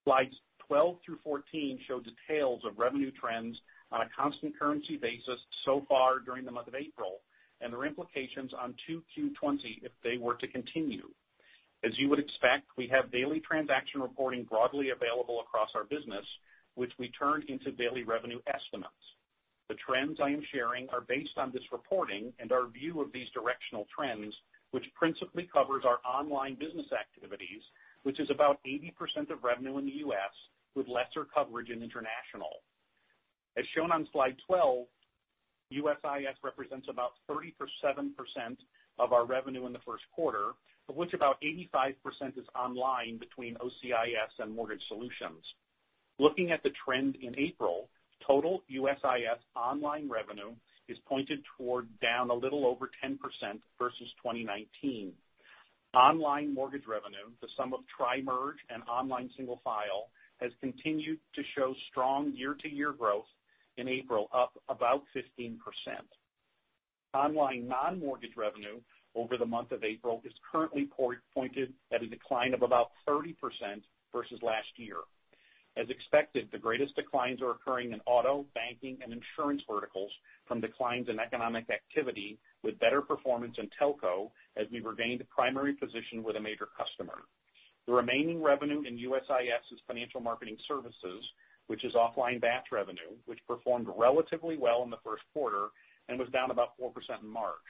Slides 12 through 14 show details of revenue trends on a constant currency basis so far during the month of April and their implications on 2Q 2020 if they were to continue. As you would expect, we have daily transaction reporting broadly available across our business, which we turn into daily revenue estimates. The trends I am sharing are based on this reporting and our view of these directional trends, which principally covers our online business activities, which is about 80% of revenue in the U.S. with lesser coverage in international. As shown on slide 12, USIS represents about 37% of our revenue in the first quarter, of which about 85% is online between OCIS and Mortgage Solutions. Looking at the trend in April, total USIS online revenue is pointed toward down a little over 10% versus 2019. Online mortgage revenue, the sum of TriMerge and online single file, has continued to show strong year-to-year growth in April, up about 15%. Online non-mortgage revenue over the month of April is currently pointed at a decline of about 30% versus last year. As expected, the greatest declines are occurring in auto, banking, and insurance verticals from declines in economic activity with better performance in telco as we regained a primary position with a major customer. The remaining revenue in USIS is financial marketing services, which is offline batch revenue, which performed relatively well in the first quarter and was down about 4% in March.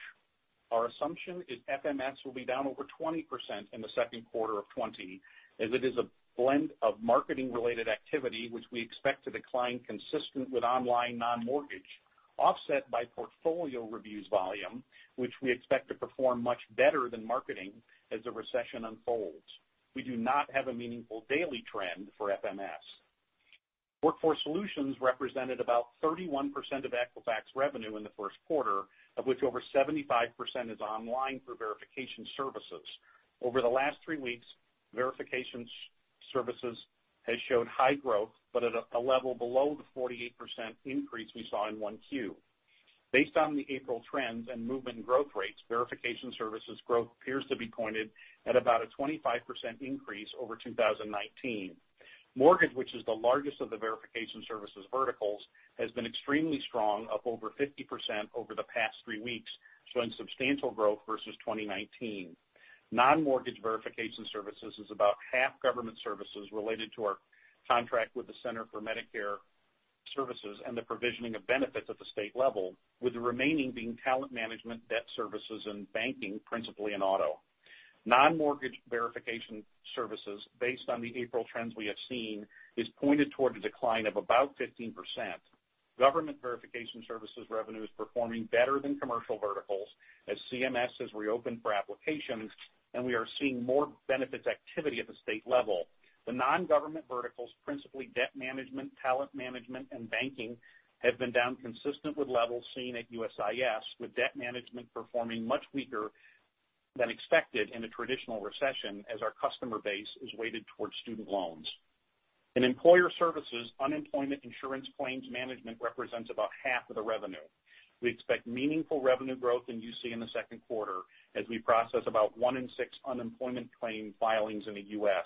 Our assumption is FMS will be down over 20% in the second quarter of 2020 as it is a blend of marketing-related activity, which we expect to decline consistent with online non-mortgage, offset by portfolio reviews volume, which we expect to perform much better than marketing as the recession unfolds. We do not have a meaningful daily trend for FMS. Workforce Solutions represented about 31% of Equifax revenue in the first quarter, of which over 75% is online through Verification Services. Over the last three weeks, Verification Services has showed high growth, but at a level below the 48% increase we saw in 1Q. Based on the April trends and movement growth rates, Verification Services growth appears to be pointed at about a 25% increase over 2019. Mortgage, which is the largest of the Verification Services verticals, has been extremely strong, up over 50% over the past three weeks, showing substantial growth versus 2019. Non-mortgage Verification Services is about half government services related to our contract with the Center for Medicare Services and the provisioning of benefits at the state level, with the remaining being talent management, debt services, and banking, principally in auto. Non-mortgage Verification Services, based on the April trends we have seen, is pointed toward a decline of about 15%. Government Verification Services revenue is performing better than commercial verticals as CMS has reopened for applications, and we are seeing more benefits activity at the state level. The non-government verticals, principally debt management, talent management, and banking, have been down consistent with levels seen at USIS, with debt management performing much weaker than expected in a traditional recession as our customer base is weighted towards student loans. In employer services, unemployment insurance claims management represents about half of the revenue. We expect meaningful revenue growth in UC in the second quarter as we process about one in six unemployment claim filings in the U.S.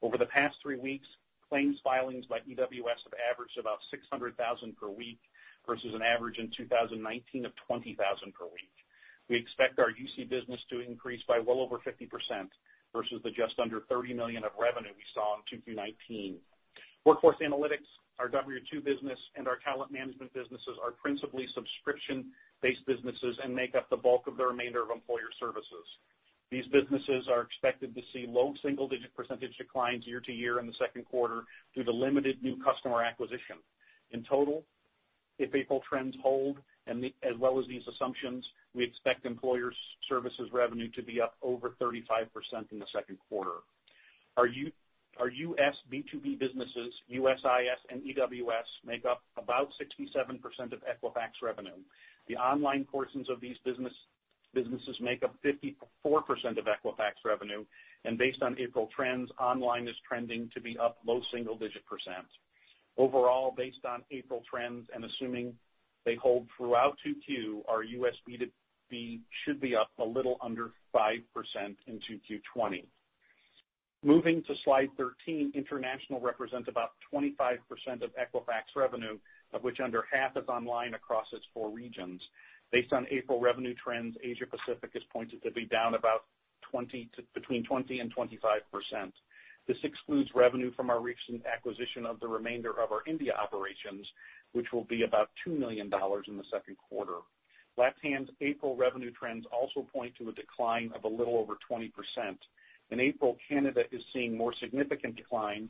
Over the past three weeks, claims filings by EWS have averaged about 600,000 per week versus an average in 2019 of 20,000 per week. We expect our UC business to increase by well over 50% versus the just under $30 million of revenue we saw in 2Q 2019. Workforce analytics, our W-2 business, and our talent management businesses are principally subscription-based businesses and make up the bulk of the remainder of employer services. These businesses are expected to see low single-digit percentage declines year-to-year in the second quarter due to limited new customer acquisition. In total, if April trends hold, and as well as these assumptions, we expect employer services revenue to be up over 35% in the second quarter. Our U.S. B2B businesses, USIS and EWS, make up about 67% of Equifax revenue. The online portions of these businesses make up 54% of Equifax revenue, and based on April trends, online is trending to be up low single-digit percent. Overall, based on April trends and assuming they hold throughout 2Q, our U.S. B2B should be up a little under 5% in 2Q 2020. Moving to slide 13, international represents about 25% of Equifax revenue, of which under half is online across its four regions. Based on April revenue trends, Asia-Pacific is pointed to be down about between 20%-25%. This excludes revenue from our recent acquisition of the remainder of our India operations, which will be about $2 million in the second quarter. Left-hand April revenue trends also point to a decline of a little over 20%. In April, Canada is seeing more significant declines,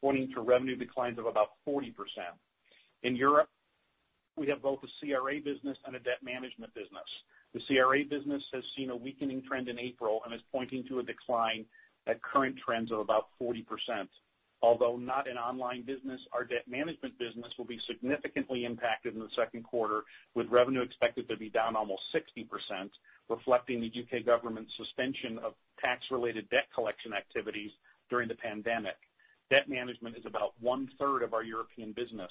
pointing to revenue declines of about 40%. In Europe, we have both a CRA business and a debt management business. The CRA business has seen a weakening trend in April and is pointing to a decline at current trends of about 40%. Although not an online business, our debt management business will be significantly impacted in the second quarter, with revenue expected to be down almost 60%, reflecting the U.K. government's suspension of tax-related debt collection activities during the pandemic. Debt management is about 1/3 of our European business.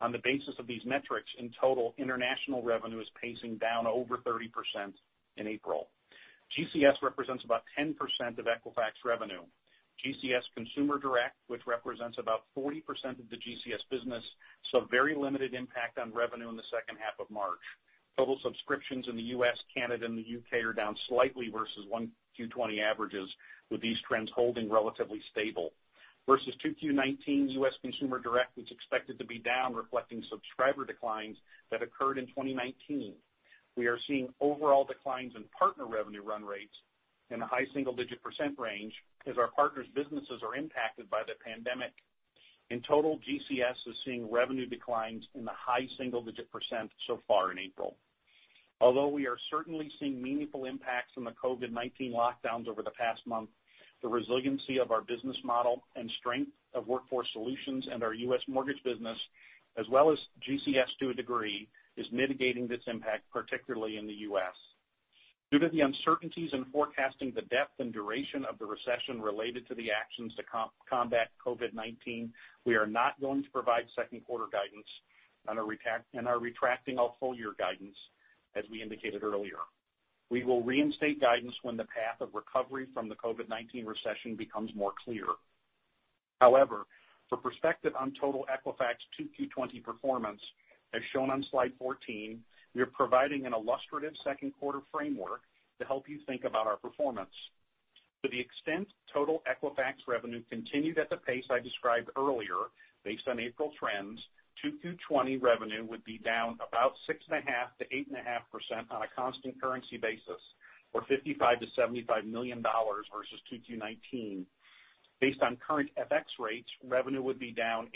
On the basis of these metrics, in total, international revenue is pacing down over 30% in April. GCS represents about 10% of Equifax revenue. GCS Consumer Direct, which represents about 40% of the GCS business, saw very limited impact on revenue in the second half of March. Total subscriptions in the U.S., Canada, and the U.K. are down slightly versus 1Q 2020 averages, with these trends holding relatively stable. Versus 2Q 2019, U.S. Consumer Direct was expected to be down, reflecting subscriber declines that occurred in 2019. We are seeing overall declines in partner revenue run rates in a high single-digit percent range as our partners' businesses are impacted by the pandemic. In total, GCS is seeing revenue declines in the high single-digit percent so far in April. Although we are certainly seeing meaningful impacts from the COVID-19 lockdowns over the past month, the resiliency of our business model and strength of Workforce Solutions and our US mortgage business, as well as GCS to a degree, is mitigating this impact, particularly in the U.S. Due to the uncertainties in forecasting the depth and duration of the recession related to the actions to combat COVID-19, we are not going to provide second quarter guidance and are retracting our full-year guidance, as we indicated earlier. We will reinstate guidance when the path of recovery from the COVID-19 recession becomes more clear. However, for perspective on total Equifax 2Q 2020 performance, as shown on slide 14, we are providing an illustrative second quarter framework to help you think about our performance. To the extent total Equifax revenue continued at the pace I described earlier, based on April trends, 2Q 2020 revenue would be down about 6.5%-8.5% on a constant currency basis, or $55 million-$75 million versus 2Q 2019. Based on current FX rates, revenue would be down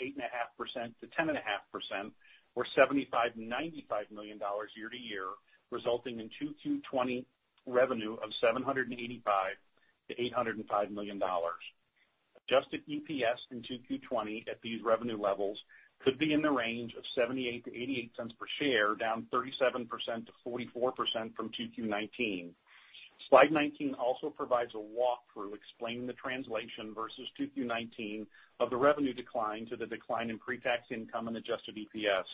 8.5%-10.5%, or $75 million-$95 million year-to-year, resulting in 2Q 2020 revenue of $785 million-$805 million. Adjusted EPS in 2Q 2020 at these revenue levels could be in the range of $0.78-$0.88 per share, down 37%-44% from 2Q 2019. Slide 19 also provides a walkthrough explaining the translation versus 2Q 2019 of the revenue decline to the decline in pre-tax income and Adjusted EPS.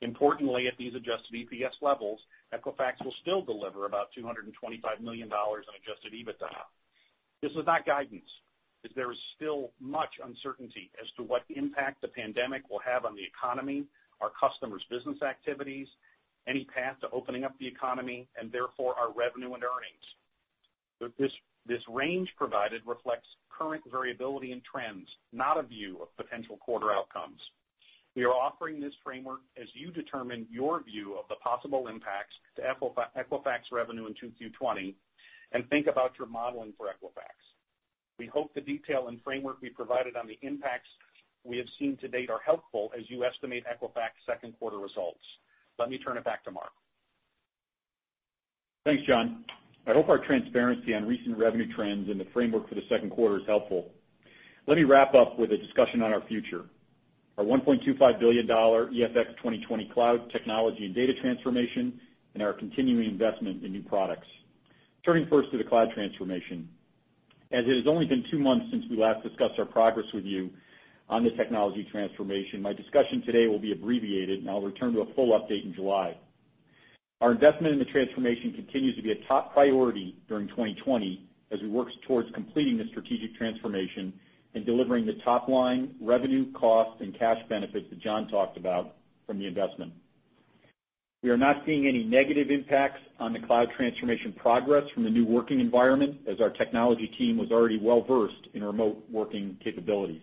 Importantly, at these Adjusted EPS levels, Equifax will still deliver about $225 million in Adjusted EBITDA. This is not guidance, as there is still much uncertainty as to what impact the pandemic will have on the economy, our customers' business activities, any path to opening up the economy, and therefore our revenue and earnings. This range provided reflects current variability and trends, not a view of potential quarter outcomes. We are offering this framework as you determine your view of the possible impacts to Equifax revenue in 2Q 2020 and think about your modeling for Equifax. We hope the detail and framework we provided on the impacts we have seen to date are helpful as you estimate Equifax second quarter results. Let me turn it back to Mark. Thanks, John. I hope our transparency on recent revenue trends and the framework for the second quarter is helpful. Let me wrap up with a discussion on our future: our $1.25 billion EFX 2020 cloud technology and data transformation, and our continuing investment in new products. Turning first to the cloud transformation. As it has only been two months since we last discussed our progress with you on the technology transformation, my discussion today will be abbreviated, and I'll return to a full update in July. Our investment in the transformation continues to be a top priority during 2020 as we work towards completing the strategic transformation and delivering the top-line revenue, cost, and cash benefits that John talked about from the investment. We are not seeing any negative impacts on the cloud transformation progress from the new working environment, as our technology team was already well-versed in remote working capabilities.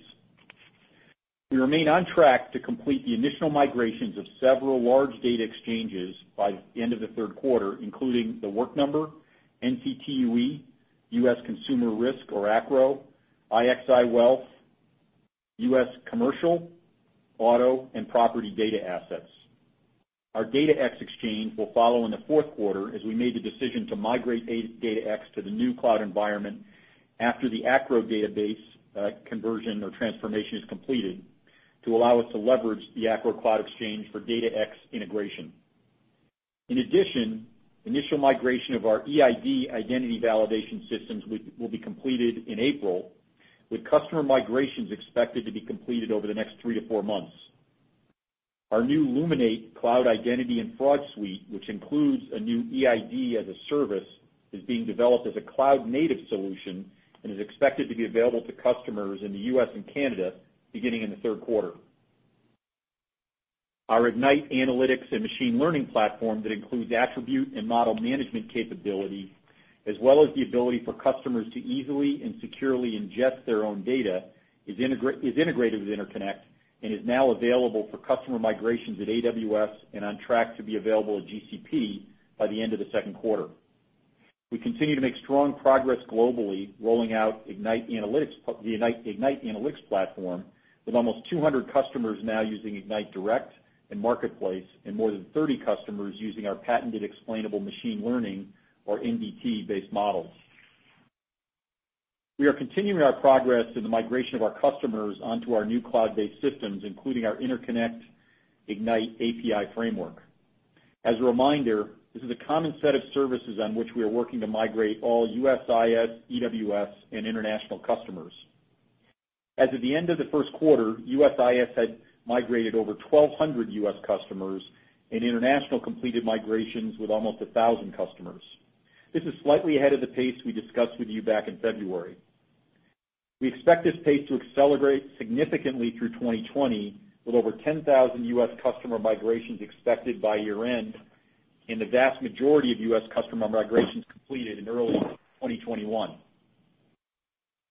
We remain on track to complete the initial migrations of several large data exchanges by the end of the third quarter, including The Work Number, NCTUE, US Consumer Risk, or ACRO, IXI Wealth, US Commercial, Auto, and Property Data Assets. Our DataX exchange will follow in the fourth quarter as we made the decision to migrate DataX to the new cloud environment after the ACRO database conversion or transformation is completed to allow us to leverage the ACRO cloud exchange for DataX integration. In addition, initial migration of our EID identity validation systems will be completed in April, with customer migrations expected to be completed over the next three to four months. Our new Luminate Cloud Identity and Fraud Suite, which includes a new EID as a service, is being developed as a cloud-native solution and is expected to be available to customers in the U.S. and Canada beginning in the third quarter. Our Ignite Analytics and Machine Learning platform that includes attribute and model management capability, as well as the ability for customers to easily and securely ingest their own data, is integrated with Interconnect and is now available for customer migrations at AWS and on track to be available at GCP by the end of the second quarter. We continue to make strong progress globally, rolling out the Ignite Analytics platform with almost 200 customers now using Ignite Direct and Marketplace and more than 30 customers using our patented explainable machine learning, or MDT, based models. We are continuing our progress in the migration of our customers onto our new cloud-based systems, including our Interconnect Ignite API framework. As a reminder, this is a common set of services on which we are working to migrate all USIS, EWS, and international customers. As of the end of the first quarter, USIS had migrated over 1,200 U.S. customers, and international completed migrations with almost 1,000 customers. This is slightly ahead of the pace we discussed with you back in February. We expect this pace to accelerate significantly through 2020, with over 10,000 U.S. customer migrations expected by year-end and the vast majority of U.S. customer migrations completed in early 2021.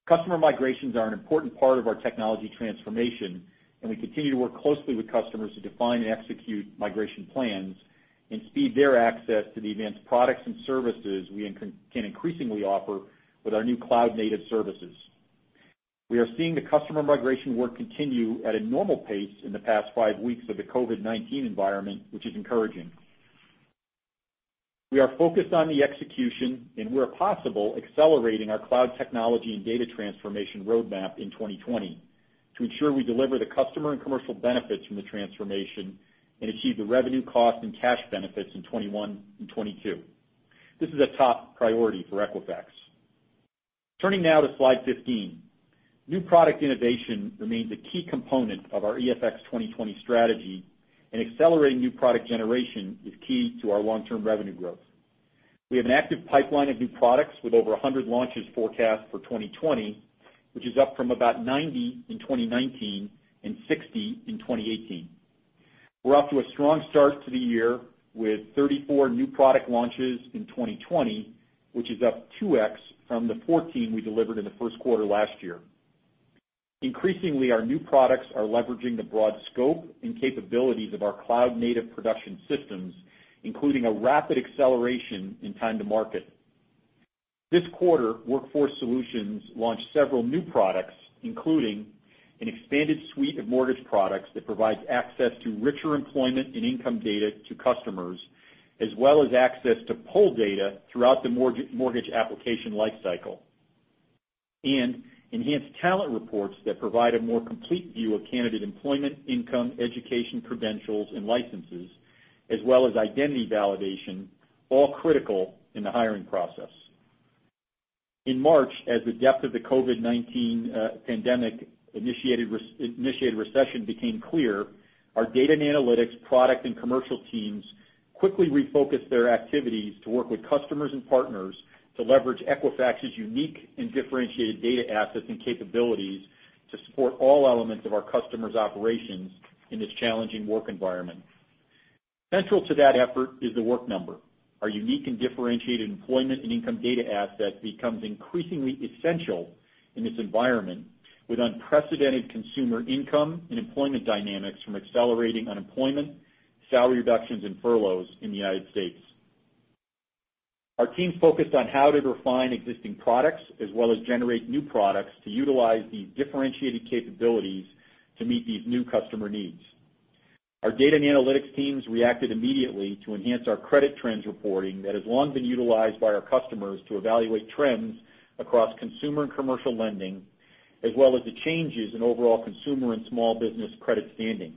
Customer migrations are an important part of our technology transformation, and we continue to work closely with customers to define and execute migration plans and speed their access to the advanced products and services we can increasingly offer with our new cloud-native services. We are seeing the customer migration work continue at a normal pace in the past five weeks of the COVID-19 environment, which is encouraging. We are focused on the execution and, where possible, accelerating our cloud technology and data transformation roadmap in 2020 to ensure we deliver the customer and commercial benefits from the transformation and achieve the revenue, cost, and cash benefits in 2021 and 2022. This is a top priority for Equifax. Turning now to slide 15, new product innovation remains a key component of our EFX 2020 strategy, and accelerating new product generation is key to our long-term revenue growth. We have an active pipeline of new products with over 100 launches forecast for 2020, which is up from about 90 in 2019 and 60 in 2018. We're off to a strong start to the year with 34 new product launches in 2020, which is up 2x from the 14 we delivered in the first quarter last year. Increasingly, our new products are leveraging the broad scope and capabilities of our cloud-native production systems, including a rapid acceleration in time to market. This quarter, Workforce Solutions launched several new products, including an expanded suite of mortgage products that provides access to richer employment and income data to customers, as well as access to pull data throughout the mortgage application lifecycle, and enhanced talent reports that provide a more complete view of candidate employment, income, education credentials, and licenses, as well as identity validation, all critical in the hiring process. In March, as the depth of the COVID-19 pandemic-initiated recession became clear, our data and analytics product and commercial teams quickly refocused their activities to work with customers and partners to leverage Equifax's unique and differentiated data assets and capabilities to support all elements of our customers' operations in this challenging work environment. Central to that effort is The Work Number. Our unique and differentiated employment and income data asset becomes increasingly essential in this environment, with unprecedented consumer income and employment dynamics from accelerating unemployment, salary reductions, and furloughs in the United States. Our team focused on how to refine existing products as well as generate new products to utilize these differentiated capabilities to meet these new customer needs. Our data and analytics teams reacted immediately to enhance our credit trends reporting that has long been utilized by our customers to evaluate trends across consumer and commercial lending, as well as the changes in overall consumer and small business credit standing.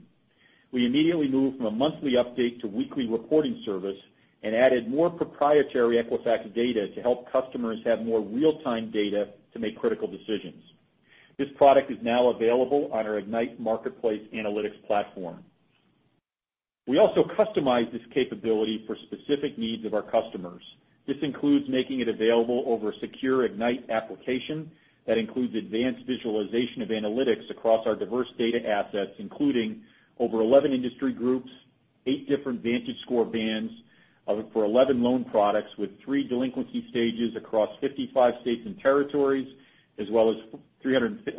We immediately moved from a monthly update to weekly reporting service and added more proprietary Equifax data to help customers have more real-time data to make critical decisions. This product is now available on our Ignite Marketplace analytics platform. We also customized this capability for specific needs of our customers. This includes making it available over a secure Ignite application that includes advanced visualization of analytics across our diverse data assets, including over 11 industry groups, 8 different VantageScore bands for 11 loan products with 3 delinquency stages across 55 states and territories, as well as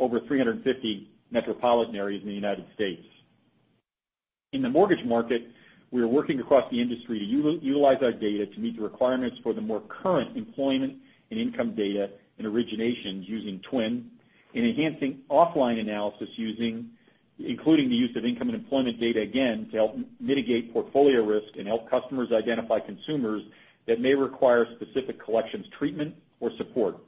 over 350 metropolitan areas in the United States. In the mortgage market, we are working across the industry to utilize our data to meet the requirements for the more current employment and income data and originations using Twin, and enhancing offline analysis including the use of income and employment data again to help mitigate portfolio risk and help customers identify consumers that may require specific collections treatment or support.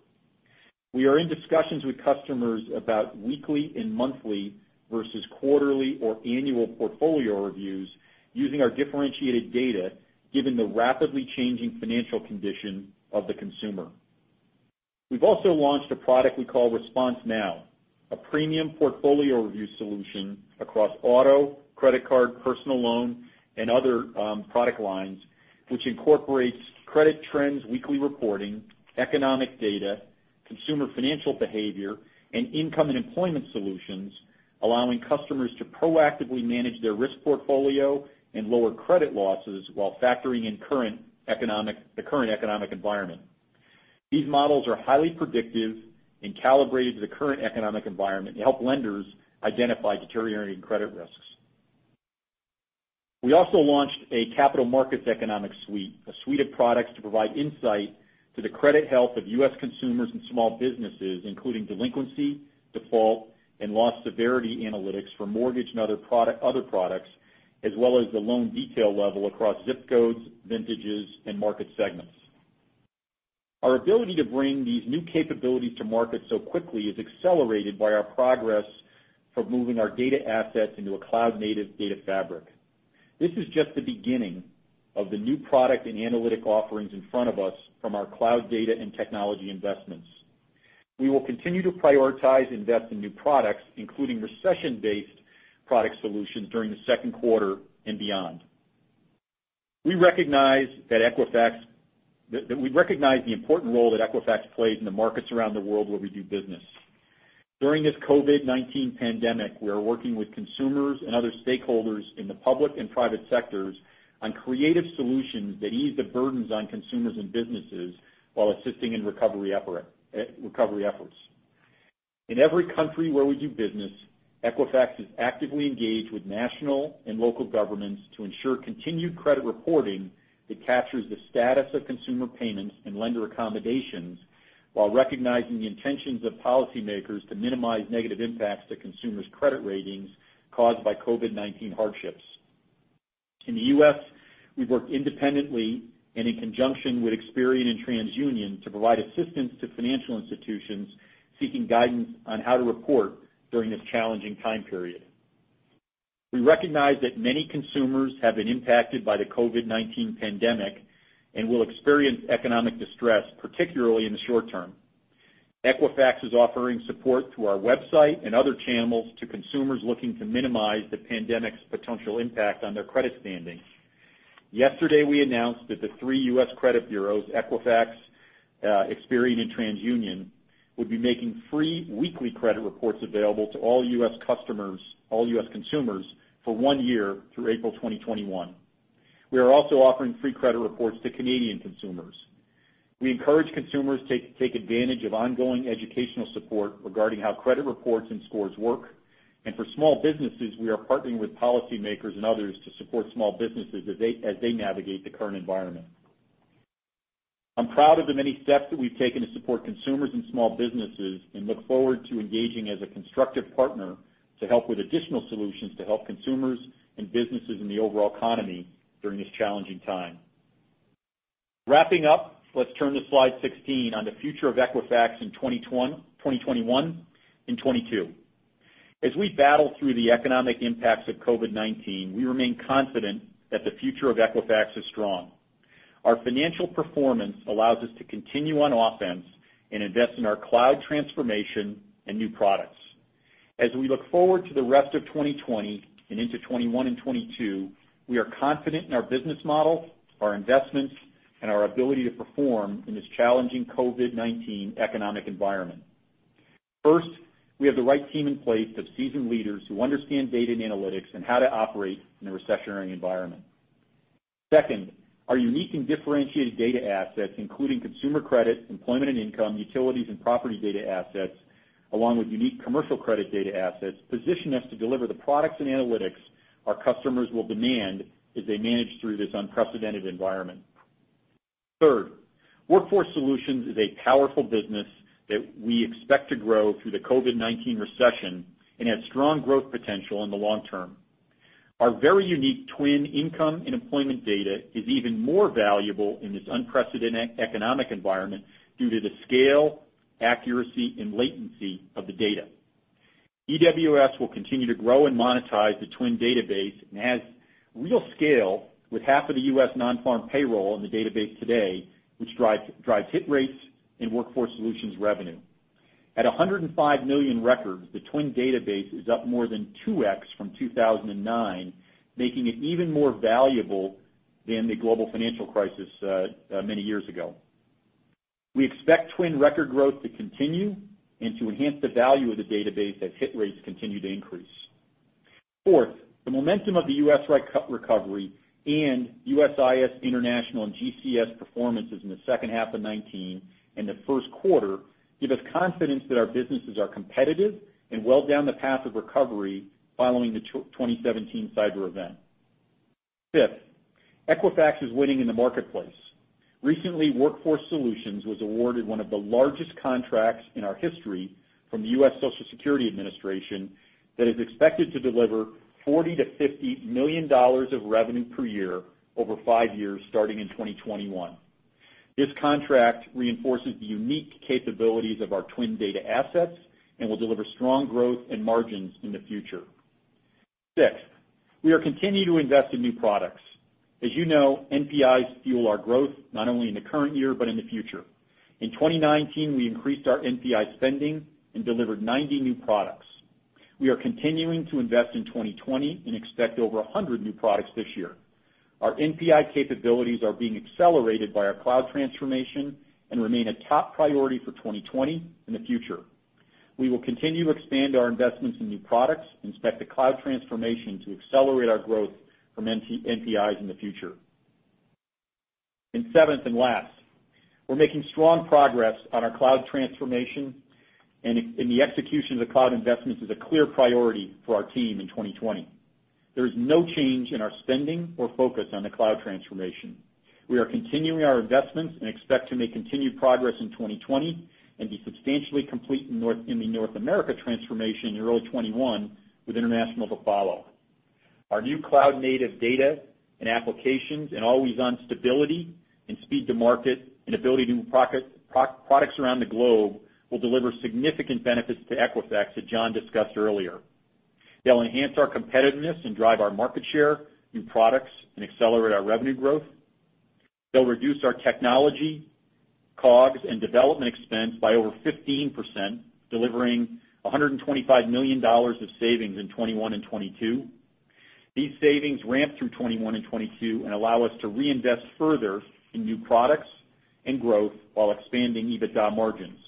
We are in discussions with customers about weekly and monthly versus quarterly or annual portfolio reviews using our differentiated data given the rapidly changing financial condition of the consumer. We've also launched a product we call ResponseNow, a premium portfolio review solution across auto, credit card, personal loan, and other product lines, which incorporates credit trends weekly reporting, economic data, consumer financial behavior, and income and employment solutions, allowing customers to proactively manage their risk portfolio and lower credit losses while factoring in the current economic environment. These models are highly predictive and calibrated to the current economic environment to help lenders identify deteriorating credit risks. We also launched a capital markets economic suite, a suite of products to provide insight to the credit health of U.S. consumers and small businesses, including delinquency, default, and loss severity analytics for mortgage and other products, as well as the loan detail level across zip codes, vintages, and market segments. Our ability to bring these new capabilities to market so quickly is accelerated by our progress for moving our data assets into a cloud-native data fabric. This is just the beginning of the new product and analytic offerings in front of us from our cloud data and technology investments. We will continue to prioritize invest in new products, including recession-based product solutions during the second quarter and beyond. We recognize that Equifax plays an important role in the markets around the world where we do business. During this COVID-19 pandemic, we are working with consumers and other stakeholders in the public and private sectors on creative solutions that ease the burdens on consumers and businesses while assisting in recovery efforts. In every country where we do business, Equifax is actively engaged with national and local governments to ensure continued credit reporting that captures the status of consumer payments and lender accommodations while recognizing the intentions of policymakers to minimize negative impacts to consumers' credit ratings caused by COVID-19 hardships. In the U.S., we've worked independently and in conjunction with Experian and TransUnion to provide assistance to financial institutions seeking guidance on how to report during this challenging time period. We recognize that many consumers have been impacted by the COVID-19 pandemic and will experience economic distress, particularly in the short term. Equifax is offering support through our website and other channels to consumers looking to minimize the pandemic's potential impact on their credit standing. Yesterday, we announced that the three US credit bureaus, Equifax, Experian, and TransUnion, would be making free weekly credit reports available to all U.S. customers, all U.S. consumers for one year through April 2021. We are also offering free credit reports to Canadian consumers. We encourage consumers to take advantage of ongoing educational support regarding how credit reports and scores work. For small businesses, we are partnering with policymakers and others to support small businesses as they navigate the current environment. I'm proud of the many steps that we've taken to support consumers and small businesses and look forward to engaging as a constructive partner to help with additional solutions to help consumers and businesses in the overall economy during this challenging time. Wrapping up, let's turn to slide 16 on the future of Equifax in 2021 and 2022. As we battle through the economic impacts of COVID-19, we remain confident that the future of Equifax is strong. Our financial performance allows us to continue on offense and invest in our cloud transformation and new products. As we look forward to the rest of 2020 and into 2021 and 2022, we are confident in our business model, our investments, and our ability to perform in this challenging COVID-19 economic environment. First, we have the right team in place of seasoned leaders who understand data and analytics and how to operate in a recessionary environment. Second, our unique and differentiated data assets, including consumer credit, employment and income, utilities, and property data assets, along with unique commercial credit data assets, position us to deliver the products and analytics our customers will demand as they manage through this unprecedented environment. Third, Workforce Solutions is a powerful business that we expect to grow through the COVID-19 recession and has strong growth potential in the long term. Our very unique Twin income and employment data is even more valuable in this unprecedented economic environment due to the scale, accuracy, and latency of the data. EWS will continue to grow and monetize the Twin database and has real scale with half of the U.S. non-farm payroll in the database today, which drives hit rates and Workforce Solutions revenue. At 105 million records, the Twin database is up more than 2x from 2009, making it even more valuable than the global financial crisis many years ago. We expect Twin record growth to continue and to enhance the value of the database as hit rates continue to increase. Fourth, the momentum of the U.S. recovery and USIS International and GCS performances in the second half of 2019 and the first quarter give us confidence that our businesses are competitive and well down the path of recovery following the 2017 cyber event. Fifth, Equifax is winning in the marketplace. Recently, Workforce Solutions was awarded one of the largest contracts in our history from the U.S. Social Security Administration that is expected to deliver $40 million-$50 million of revenue per year over five years starting in 2021. This contract reinforces the unique capabilities of our Twin data assets and will deliver strong growth and margins in the future. Sixth, we are continuing to invest in new products. As you know, NPIs fuel our growth not only in the current year but in the future. In 2019, we increased our NPI spending and delivered 90 new products. We are continuing to invest in 2020 and expect over 100 new products this year. Our NPI capabilities are being accelerated by our cloud transformation and remain a top priority for 2020 and the future. We will continue to expand our investments in new products and expect the cloud transformation to accelerate our growth from NPIs in the future. Seventh and last, we're making strong progress on our cloud transformation and the execution of the cloud investments is a clear priority for our team in 2020. There is no change in our spending or focus on the cloud transformation. We are continuing our investments and expect to make continued progress in 2020 and be substantially complete in the North America transformation in early 2021 with international to follow. Our new cloud-native data and applications and always-on stability and speed to market and ability to pocket products around the globe will deliver significant benefits to Equifax that John discussed earlier. They'll enhance our competitiveness and drive our market share, new products, and accelerate our revenue growth. They'll reduce our technology, COGS, and development expense by over 15%, delivering $125 million of savings in 2021 and 2022. These savings ramp through 2021 and 2022 and allow us to reinvest further in new products and growth while expanding EBITDA margins.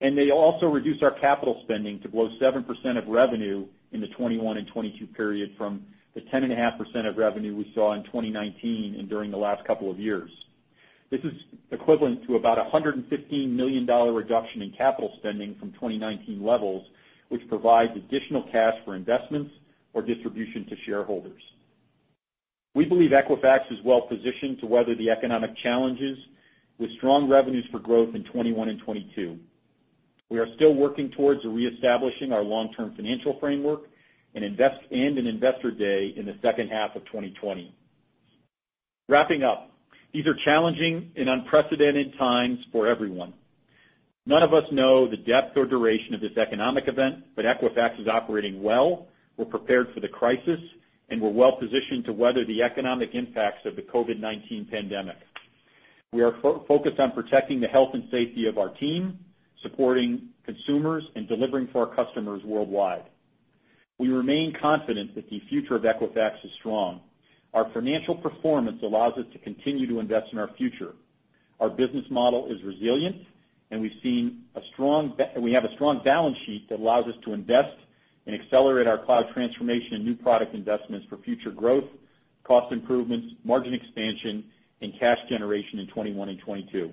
They'll also reduce our capital spending to below 7% of revenue in the 2021 and 2022 period from the 10.5% of revenue we saw in 2019 and during the last couple of years. This is equivalent to about a $115 million reduction in capital spending from 2019 levels, which provides additional cash for investments or distribution to shareholders. We believe Equifax is well positioned to weather the economic challenges with strong revenues for growth in 2021 and 2022. We are still working towards reestablishing our long-term financial framework and an investor day in the second half of 2020. Wrapping up, these are challenging and unprecedented times for everyone. None of us know the depth or duration of this economic event, but Equifax is operating well. We're prepared for the crisis and we're well positioned to weather the economic impacts of the COVID-19 pandemic. We are focused on protecting the health and safety of our team, supporting consumers, and delivering for our customers worldwide. We remain confident that the future of Equifax is strong. Our financial performance allows us to continue to invest in our future. Our business model is resilient and we have a strong balance sheet that allows us to invest and accelerate our cloud transformation and new product investments for future growth, cost improvements, margin expansion, and cash generation in 2021 and 2022.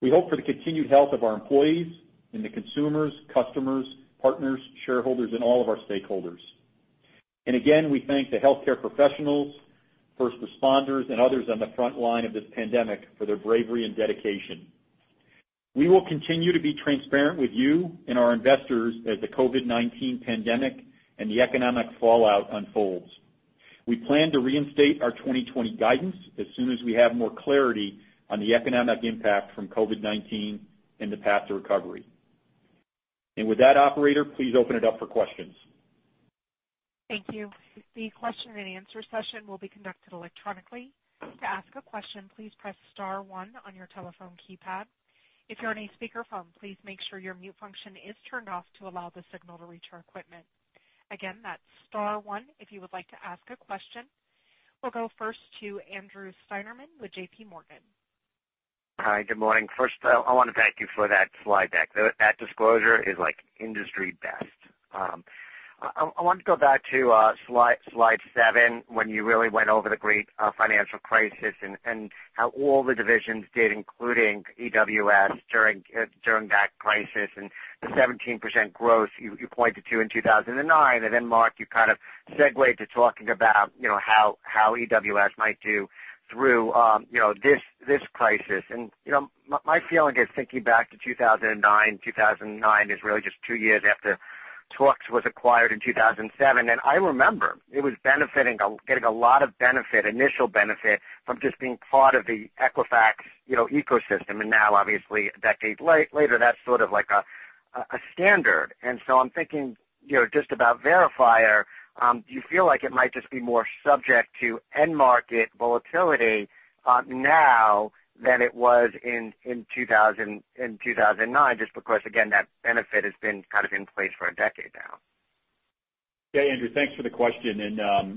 We hope for the continued health of our employees and the consumers, customers, partners, shareholders, and all of our stakeholders. We thank the healthcare professionals, first responders, and others on the front line of this pandemic for their bravery and dedication. We will continue to be transparent with you and our investors as the COVID-19 pandemic and the economic fallout unfolds. We plan to reinstate our 2020 guidance as soon as we have more clarity on the economic impact from COVID-19 and the path to recovery. With that, operator, please open it up for questions. Thank you. The question and answer session will be conducted electronically. To ask a question, please press star one on your telephone keypad. If you're on a speakerphone, please make sure your mute function is turned off to allow the signal to reach our equipment. Again, that's star one if you would like to ask a question. We'll go first to Andrew Steinerman with J.P. Morgan. Hi, good morning. First, I want to thank you for that slide deck. That disclosure is like industry best. I want to go back to slide seven when you really went over the great financial crisis and how all the divisions did, including EWS during that crisis and the 17% growth you pointed to in 2009. Mark, you kind of segued to talking about how EWS might do through this crisis. My feeling is thinking back to 2009, 2009 is really just two years after The Work Number was acquired in 2007. I remember it was benefiting, getting a lot of benefit, initial benefit from just being part of the Equifax ecosystem. Now, obviously, a decade later, that's sort of like a standard. I'm thinking just about Verifier, do you feel like it might just be more subject to end market volatility now than it was in 2009 just because, again, that benefit has been kind of in place for a decade now? Yeah, Andrew, thanks for the question.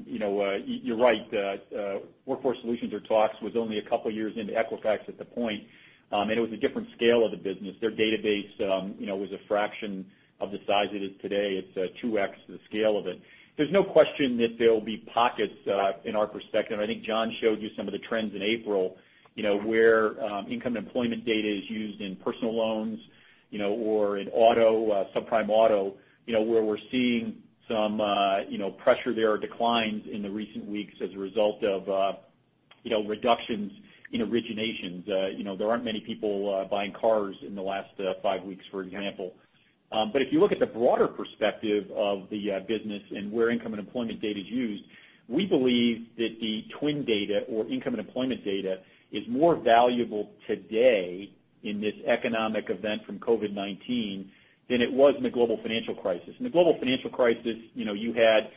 You're right. Workforce Solutions ofcourse was only a couple of years into Equifax at that point. It was a different scale of the business. Their database was a fraction of the size it is today. It's 2x the scale of it. There's no question that there will be pockets in our perspective. I think John showed you some of the trends in April where income and employment data is used in personal loans or in auto, subprime auto, where we're seeing some pressure there or declines in the recent weeks as a result of reductions in originations. There aren't many people buying cars in the last five weeks, for example. If you look at the broader perspective of the business and where income and employment data is used, we believe that the Twin data or income and employment data is more valuable today in this economic event from COVID-19 than it was in the global financial crisis. In the global financial crisis, you had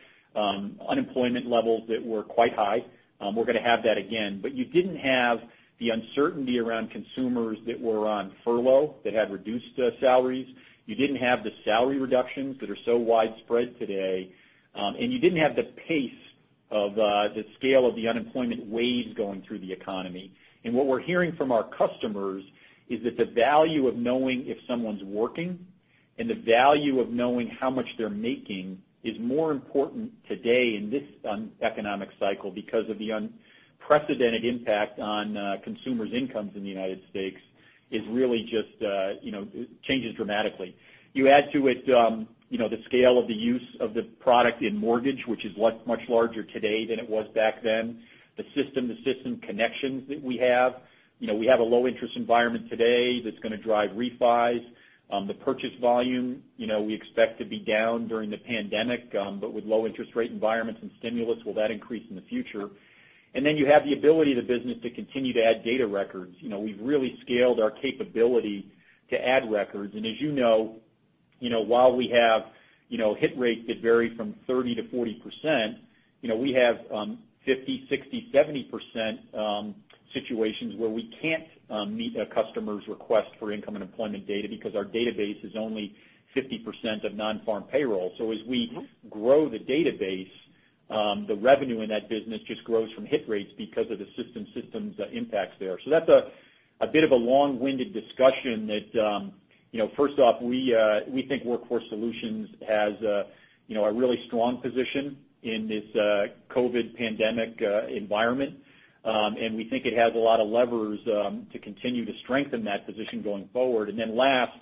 unemployment levels that were quite high. We are going to have that again. You did not have the uncertainty around consumers that were on furlough that had reduced salaries. You did not have the salary reductions that are so widespread today. You did not have the pace of the scale of the unemployment waves going through the economy. What we're hearing from our customers is that the value of knowing if someone's working and the value of knowing how much they're making is more important today in this economic cycle because of the unprecedented impact on consumers' incomes in the United States. It really just changes dramatically. You add to it the scale of the use of the product in mortgage, which is much larger today than it was back then. The system connections that we have. We have a low-interest environment today that's going to drive refis. The purchase volume we expect to be down during the pandemic, but with low-interest rate environments and stimulus, will that increase in the future? You have the ability of the business to continue to add data records. We've really scaled our capability to add records. As you know, while we have hit rates that vary from 30%-40%, we have 50%-60%-70% situations where we can't meet a customer's request for income and employment data because our database is only 50% of non-farm payroll. As we grow the database, the revenue in that business just grows from hit rates because of the system's impacts there. That is a bit of a long-winded discussion that, first off, we think Workforce Solutions has a really strong position in this COVID pandemic environment. We think it has a lot of levers to continue to strengthen that position going forward. Last,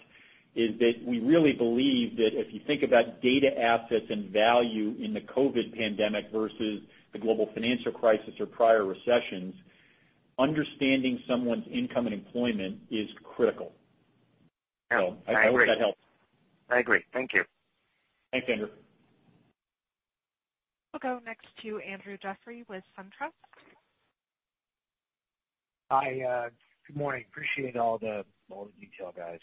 we really believe that if you think about data assets and value in the COVID pandemic versus the global financial crisis or prior recessions, understanding someone's income and employment is critical. I hope that helps. I agree. Thank you. Thanks, Andrew. I'll go next to Andrew Jeffrey with SunTrust. Hi. Good morning. Appreciate all the detail, guys.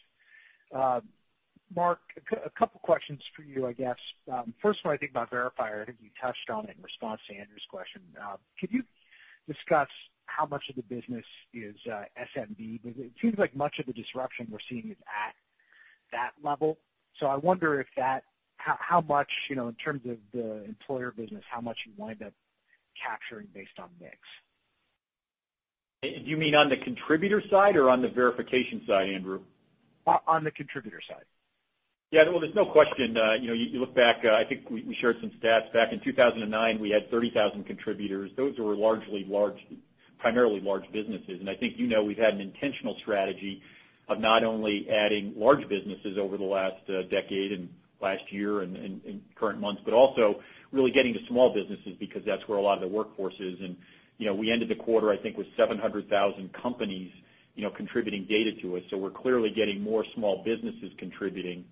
Mark, a couple of questions for you, I guess. First of all, I think about Verifier. I think you touched on it in response to Andrew's question. Could you discuss how much of the business is SMB? Because it seems like much of the disruption we're seeing is at that level. I wonder how much, in terms of the employer business, how much you wind up capturing based on mix? Do you mean on the contributor side or on the verification side, Andrew? On the contributor side. Yeah. There is no question. You look back, I think we shared some stats. Back in 2009, we had 30,000 contributors. Those were largely large, primarily large businesses. And I think you know we have had an intentional strategy of not only adding large businesses over the last decade and last year and current months, but also really getting to small businesses because that is where a lot of the workforce is. We ended the quarter, I think, with 700,000 companies contributing data to us. We are clearly getting more small businesses contributing.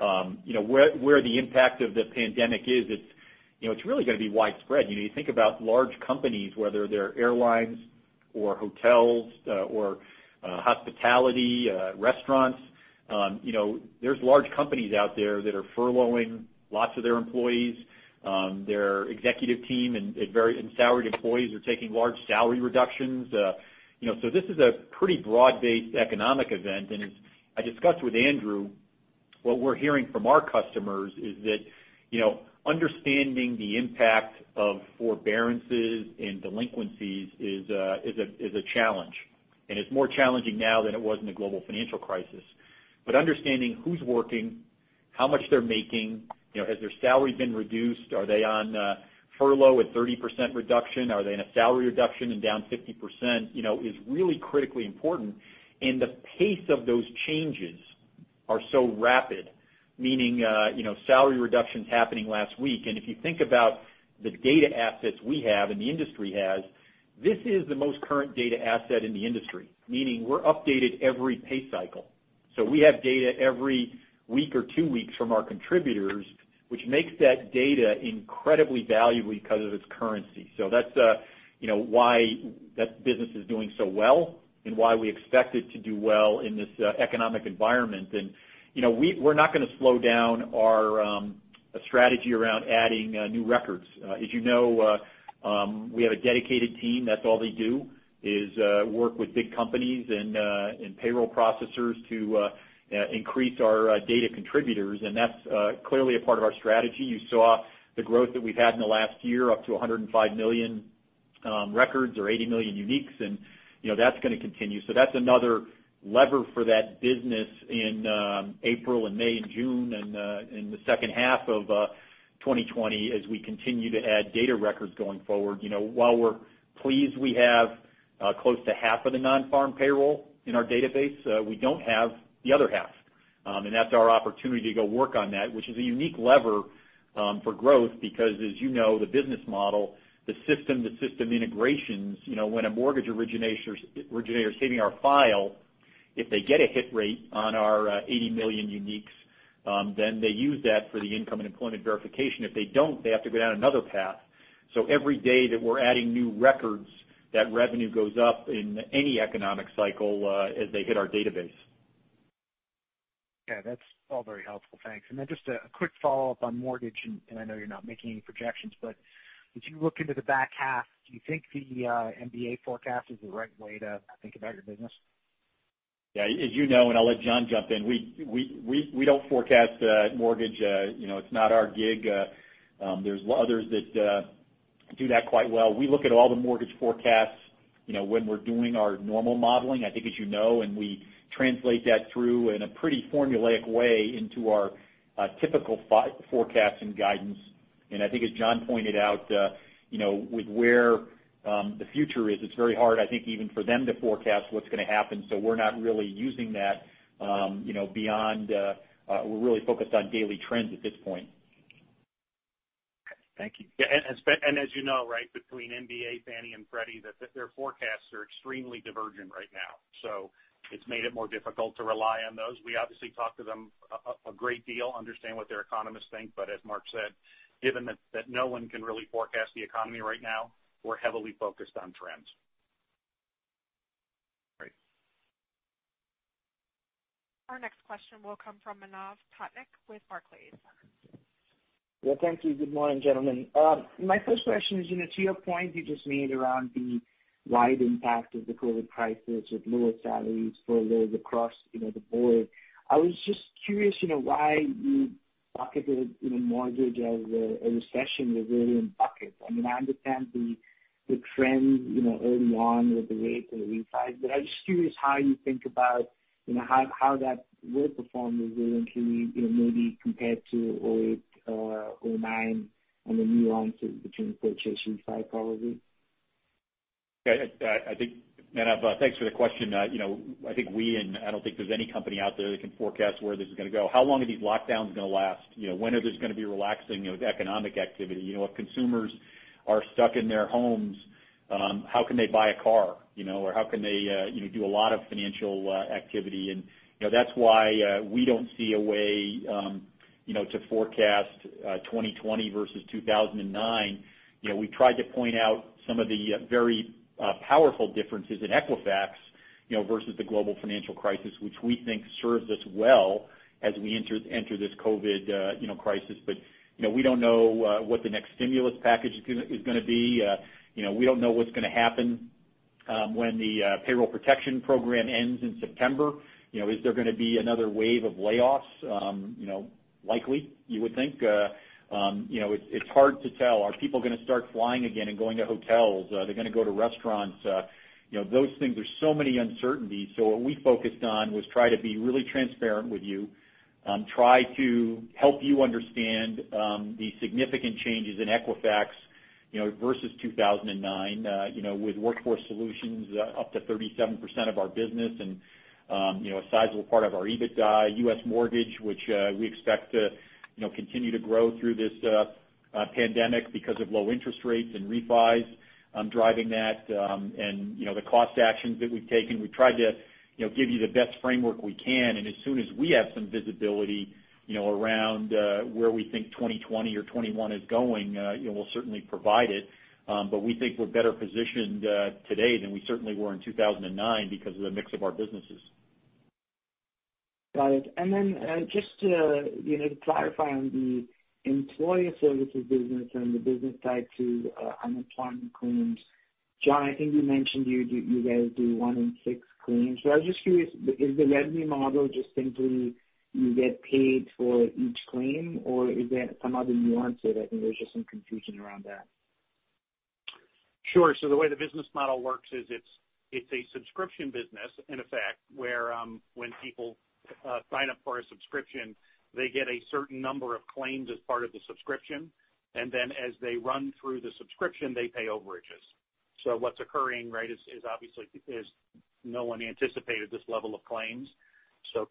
Where the impact of the pandemic is, it is really going to be widespread. You think about large companies, whether they are airlines or hotels or hospitality, restaurants. There are large companies out there that are furloughing lots of their employees. Their executive team and salaried employees are taking large salary reductions. This is a pretty broad-based economic event. As I discussed with Andrew, what we're hearing from our customers is that understanding the impact of forbearances and delinquencies is a challenge. It is more challenging now than it was in the global financial crisis. Understanding who's working, how much they're making, has their salary been reduced, are they on furlough with 30% reduction, are they in a salary reduction and down 50% is really critically important. The pace of those changes is so rapid, meaning salary reductions happening last week. If you think about the data assets we have and the industry has, this is the most current data asset in the industry, meaning we're updated every pay cycle. We have data every week or two weeks from our contributors, which makes that data incredibly valuable because of its currency. That is why that business is doing so well and why we expect it to do well in this economic environment. We are not going to slow down our strategy around adding new records. As you know, we have a dedicated team. That is all they do, work with big companies and payroll processors to increase our data contributors. That is clearly a part of our strategy. You saw the growth that we have had in the last year, up to 105 million records or 80 million uniques. That is going to continue. That is another lever for that business in April and May and June and in the second half of 2020 as we continue to add data records going forward. While we are pleased we have close to half of the non-farm payroll in our database, we do not have the other half. That is our opportunity to go work on that, which is a unique lever for growth because, as you know, the business model, the system, the system integrations, when a mortgage originator is saving our file, if they get a hit rate on our 80 million uniques, then they use that for the income and employment verification. If they do not, they have to go down another path. Every day that we are adding new records, that revenue goes up in any economic cycle as they hit our database. Yeah. That's all very helpful. Thanks. Just a quick follow-up on mortgage, and I know you're not making any projections, but as you look into the back half, do you think the MBA forecast is the right way to think about your business? Yeah. As you know, and I'll let John jump in, we don't forecast mortgage. It's not our gig. There's others that do that quite well. We look at all the mortgage forecasts when we're doing our normal modeling. I think, as you know, and we translate that through in a pretty formulaic way into our typical forecasts and guidance. I think, as John pointed out, with where the future is, it's very hard, I think, even for them to forecast what's going to happen. We are not really using that beyond we're really focused on daily trends at this point. Thank you. As you know, right, between MBA, Fannie, and Freddie, their forecasts are extremely divergent right now. It has made it more difficult to rely on those. We obviously talk to them a great deal, understand what their economists think. As Mark said, given that no one can really forecast the economy right now, we're heavily focused on trends. Our next question will come from Manav Patnaik with Barclays. Yeah. Thank you. Good morning, gentlemen. My first question is, to your point, you just made around the wide impact of the COVID crisis with lower salaries, furloughs across the board, I was just curious why you bucketed mortgage as a recession resilient bucket. I mean, I understand the trend early on with the rates and the refis, but I'm just curious how you think about how that will perform resiliently maybe compared to 2008, 2009, and the nuances between purchase refi, probably. Yeah. Manav, thanks for the question. I think we, and I do not think there is any company out there that can forecast where this is going to go. How long are these lockdowns going to last? When are there going to be relaxing economic activity? If consumers are stuck in their homes, how can they buy a car? Or how can they do a lot of financial activity? That is why we do not see a way to forecast 2020 versus 2009. We tried to point out some of the very powerful differences in Equifax versus the global financial crisis, which we think serves us well as we enter this COVID crisis. We do not know what the next stimulus package is going to be. We do not know what is going to happen when the payroll protection program ends in September. Is there going to be another wave of layoffs? Likely, you would think. It's hard to tell. Are people going to start flying again and going to hotels? Are they going to go to restaurants? Those things, there are so many uncertainties. What we focused on was try to be really transparent with you, try to help you understand the significant changes in Equifax versus 2009 with Workforce Solutions up to 37% of our business and a sizable part of our EBITDA, U.S. mortgage, which we expect to continue to grow through this pandemic because of low interest rates and refis driving that. The cost actions that we've taken, we tried to give you the best framework we can. As soon as we have some visibility around where we think 2020 or 2021 is going, we'll certainly provide it. We think we're better positioned today than we certainly were in 2009 because of the mix of our businesses. Got it. Just to clarify on the employer services business and the business tied to unemployment claims, John, I think you mentioned you guys do one in six claims. I was just curious, is the revenue model just simply you get paid for each claim, or is there some other nuance? I think there's just some confusion around that. Sure. The way the business model works is it's a subscription business, in effect, where when people sign up for a subscription, they get a certain number of claims as part of the subscription. As they run through the subscription, they pay overages. What's occurring, right, is obviously no one anticipated this level of claims.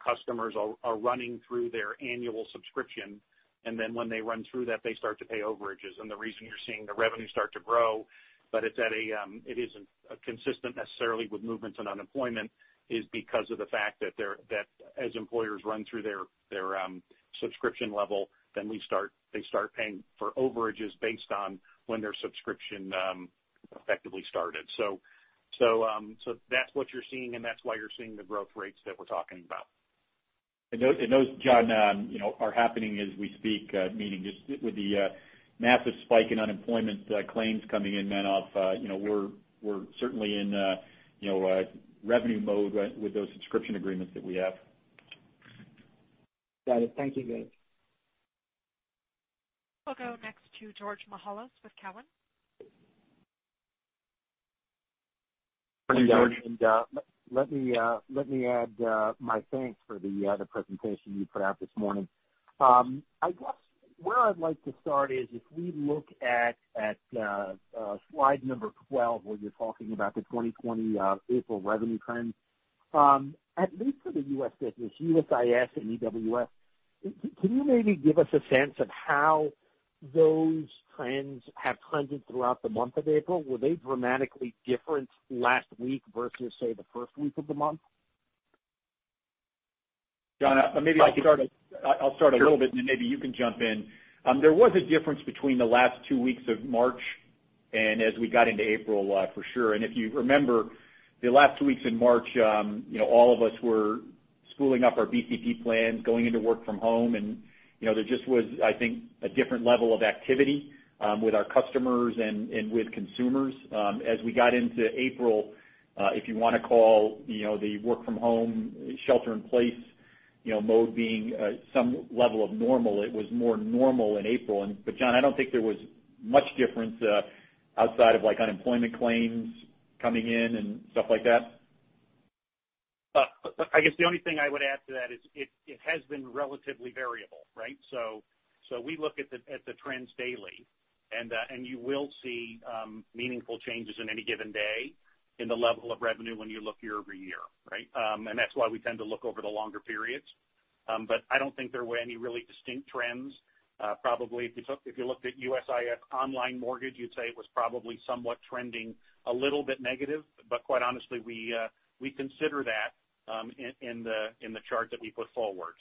Customers are running through their annual subscription. When they run through that, they start to pay overages. The reason you're seeing the revenue start to grow, but it isn't consistent necessarily with movements in unemployment, is because of the fact that as employers run through their subscription level, they start paying for overages based on when their subscription effectively started. That's what you're seeing, and that's why you're seeing the growth rates that we're talking about. Those, John, are happening as we speak, meaning just with the massive spike in unemployment claims coming in, Manav, we're certainly in revenue mode with those subscription agreements that we have. Got it. Thank you, guys. We'll go next to George Mihalos with Cowen. Morning, George. Let me add my thanks for the presentation you put out this morning. I guess where I'd like to start is if we look at slide number 12, where you're talking about the 2020 April revenue trends, at least for the U.S. business, USIS and EWS, can you maybe give us a sense of how those trends have trended throughout the month of April? Were they dramatically different last week versus, say, the first week of the month? John, maybe I'll start a little bit, and then maybe you can jump in. There was a difference between the last two weeks of March and as we got into April, for sure. If you remember, the last two weeks in March, all of us were schooling up our BCP plans, going into work from home. There just was, I think, a different level of activity with our customers and with consumers. As we got into April, if you want to call the work-from-home, shelter-in-place mode being some level of normal, it was more normal in April. John, I don't think there was much difference outside of unemployment claims coming in and stuff like that. I guess the only thing I would add to that is it has been relatively variable, right? We look at the trends daily, and you will see meaningful changes in any given day in the level of revenue when you look year-over-year, right? That is why we tend to look over the longer periods. I do not think there were any really distinct trends. Probably if you looked at USIS online mortgage, you would say it was probably somewhat trending a little bit negative. Quite honestly, we consider that in the chart that we put forward.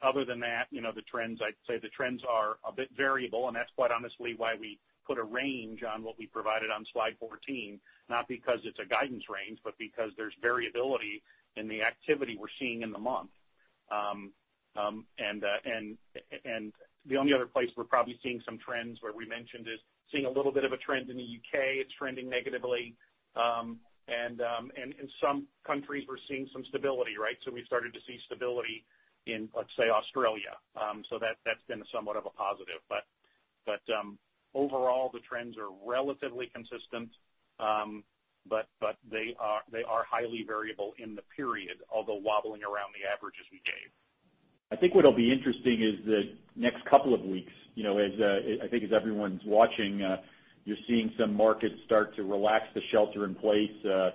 Other than that, I would say the trends are a bit variable. That is quite honestly why we put a range on what we provided on slide 14, not because it is a guidance range, but because there is variability in the activity we are seeing in the month. The only other place we're probably seeing some trends where we mentioned is seeing a little bit of a trend in the U.K. It's trending negatively. In some countries, we're seeing some stability, right? We've started to see stability in, let's say, Australia. That's been somewhat of a positive. Overall, the trends are relatively consistent, but they are highly variable in the period, although wobbling around the averages we gave. I think what'll be interesting is the next couple of weeks, I think as everyone's watching, you're seeing some markets start to relax the shelter-in-place.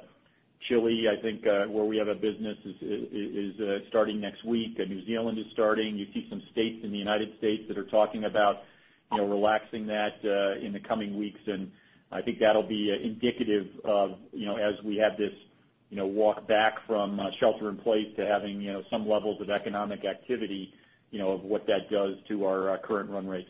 Chile, I think, where we have a business, is starting next week. New Zealand is starting. You see some states in the United States that are talking about relaxing that in the coming weeks. I think that'll be indicative of as we have this walk back from shelter-in-place to having some levels of economic activity of what that does to our current run rates.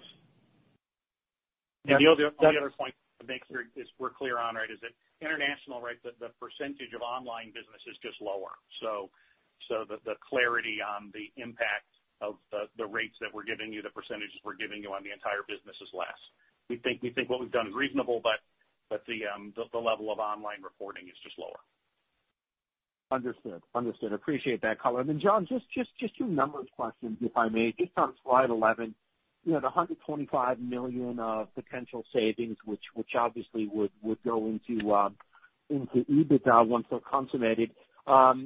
The other point to make sure we're clear on, right, is that international, right, the percentage of online business is just lower. The clarity on the impact of the rates that we're giving you, the percentages we're giving you on the entire business is less. We think what we've done is reasonable, but the level of online reporting is just lower. Understood. Understood. Appreciate that color. John, just a few number of questions, if I may. Just on slide 11, the $125 million of potential savings, which obviously would go into EBITDA once they're consummated, is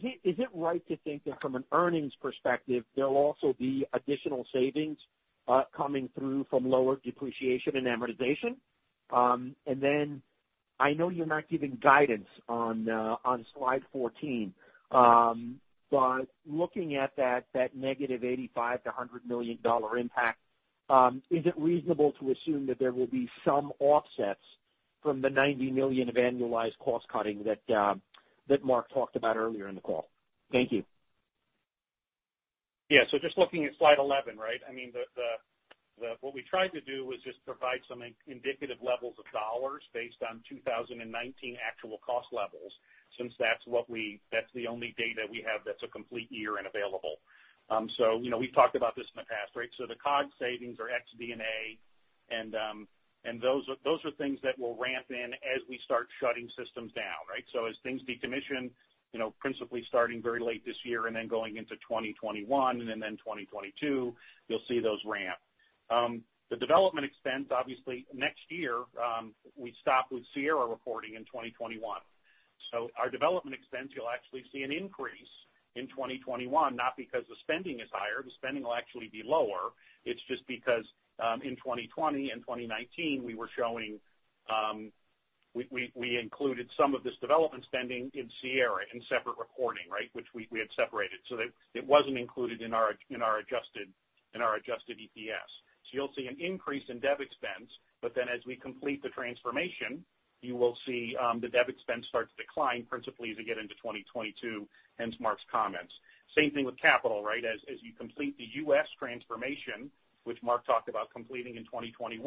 it right to think that from an earnings perspective, there'll also be additional savings coming through from lower depreciation and amortization? I know you're not giving guidance on slide 14, but looking at that -$85 million-$100 million impact, is it reasonable to assume that there will be some offsets from the $90 million of annualized cost cutting that Mark talked about earlier in the call? Thank you. Yeah. So just looking at slide 11, right, I mean, what we tried to do was just provide some indicative levels of dollars based on 2019 actual cost levels, since that's the only data we have that's a complete year and available. So we've talked about this in the past, right? So the COGS savings are XD&A, and those are things that will ramp in as we start shutting systems down, right? As things decommission, principally starting very late this year and then going into 2021 and then 2022, you'll see those ramp. The development expense, obviously, next year, we stopped with Sierra reporting in 2021. So our development expense, you'll actually see an increase in 2021, not because the spending is higher. The spending will actually be lower. It's just because in 2020 and 2019, we included some of this development spending in Sierra in separate reporting, right, which we had separated. So it wasn't included in our Adjusted EPS. You'll see an increase in debt expense, but then as we complete the transformation, you will see the debt expense start to decline, principally as you get into 2022, hence Mark's comments. Same thing with capital, right? As you complete the U.S. transformation, which Mark talked about completing in 2021,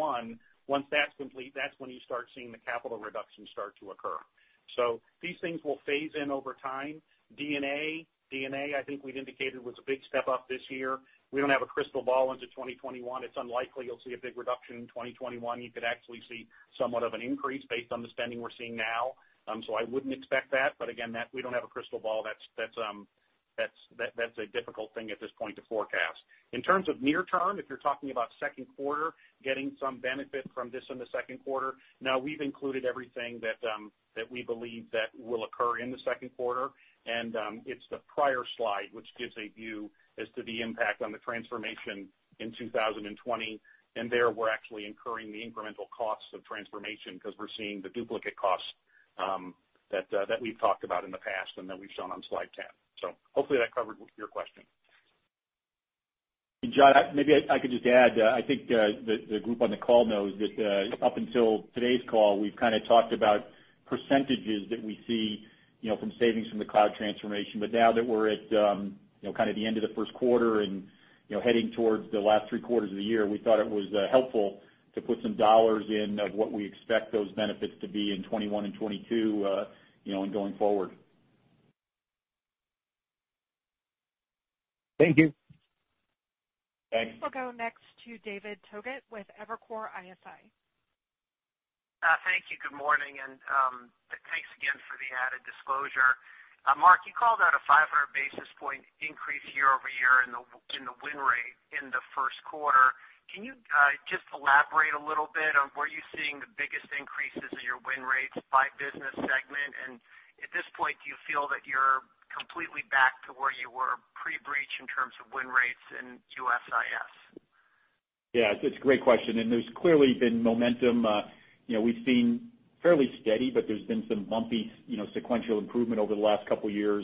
once that's complete, that's when you start seeing the capital reduction start to occur. These things will phase in over time. D&A, I think we'd indicated was a big step up this year. We don't have a crystal ball into 2021. It's unlikely you'll see a big reduction in 2021. You could actually see somewhat of an increase based on the spending we're seeing now. I would not expect that. Again, we do not have a crystal ball. That is a difficult thing at this point to forecast. In terms of near term, if you are talking about second quarter, getting some benefit from this in the second quarter, we have included everything that we believe will occur in the second quarter. It is the prior slide, which gives a view as to the impact on the transformation in 2020. There, we are actually incurring the incremental costs of transformation because we are seeing the duplicate costs that we have talked about in the past and that we have shown on slide 10. Hopefully that covered your question. John, maybe I could just add, I think the group on the call knows that up until today's call, we've kind of talked about percentages that we see from savings from the cloud transformation. But now that we're at kind of the end of the first quarter and heading towards the last three quarters of the year, we thought it was helpful to put some dollars in of what we expect those benefits to be in 2021 and 2022 and going forward. Thank you. Thanks. We'll go next to David Togut with Evercore ISI. Thank you. Good morning. Thank you again for the added disclosure. Mark, you called out a 500 basis point increase year-over-year in the win rate in the first quarter. Can you just elaborate a little bit on where you're seeing the biggest increases in your win rates by business segment? At this point, do you feel that you're completely back to where you were pre-breach in terms of win rates in USIS? Yeah. It's a great question. There's clearly been momentum. We've seen fairly steady, but there's been some bumpy sequential improvement over the last couple of years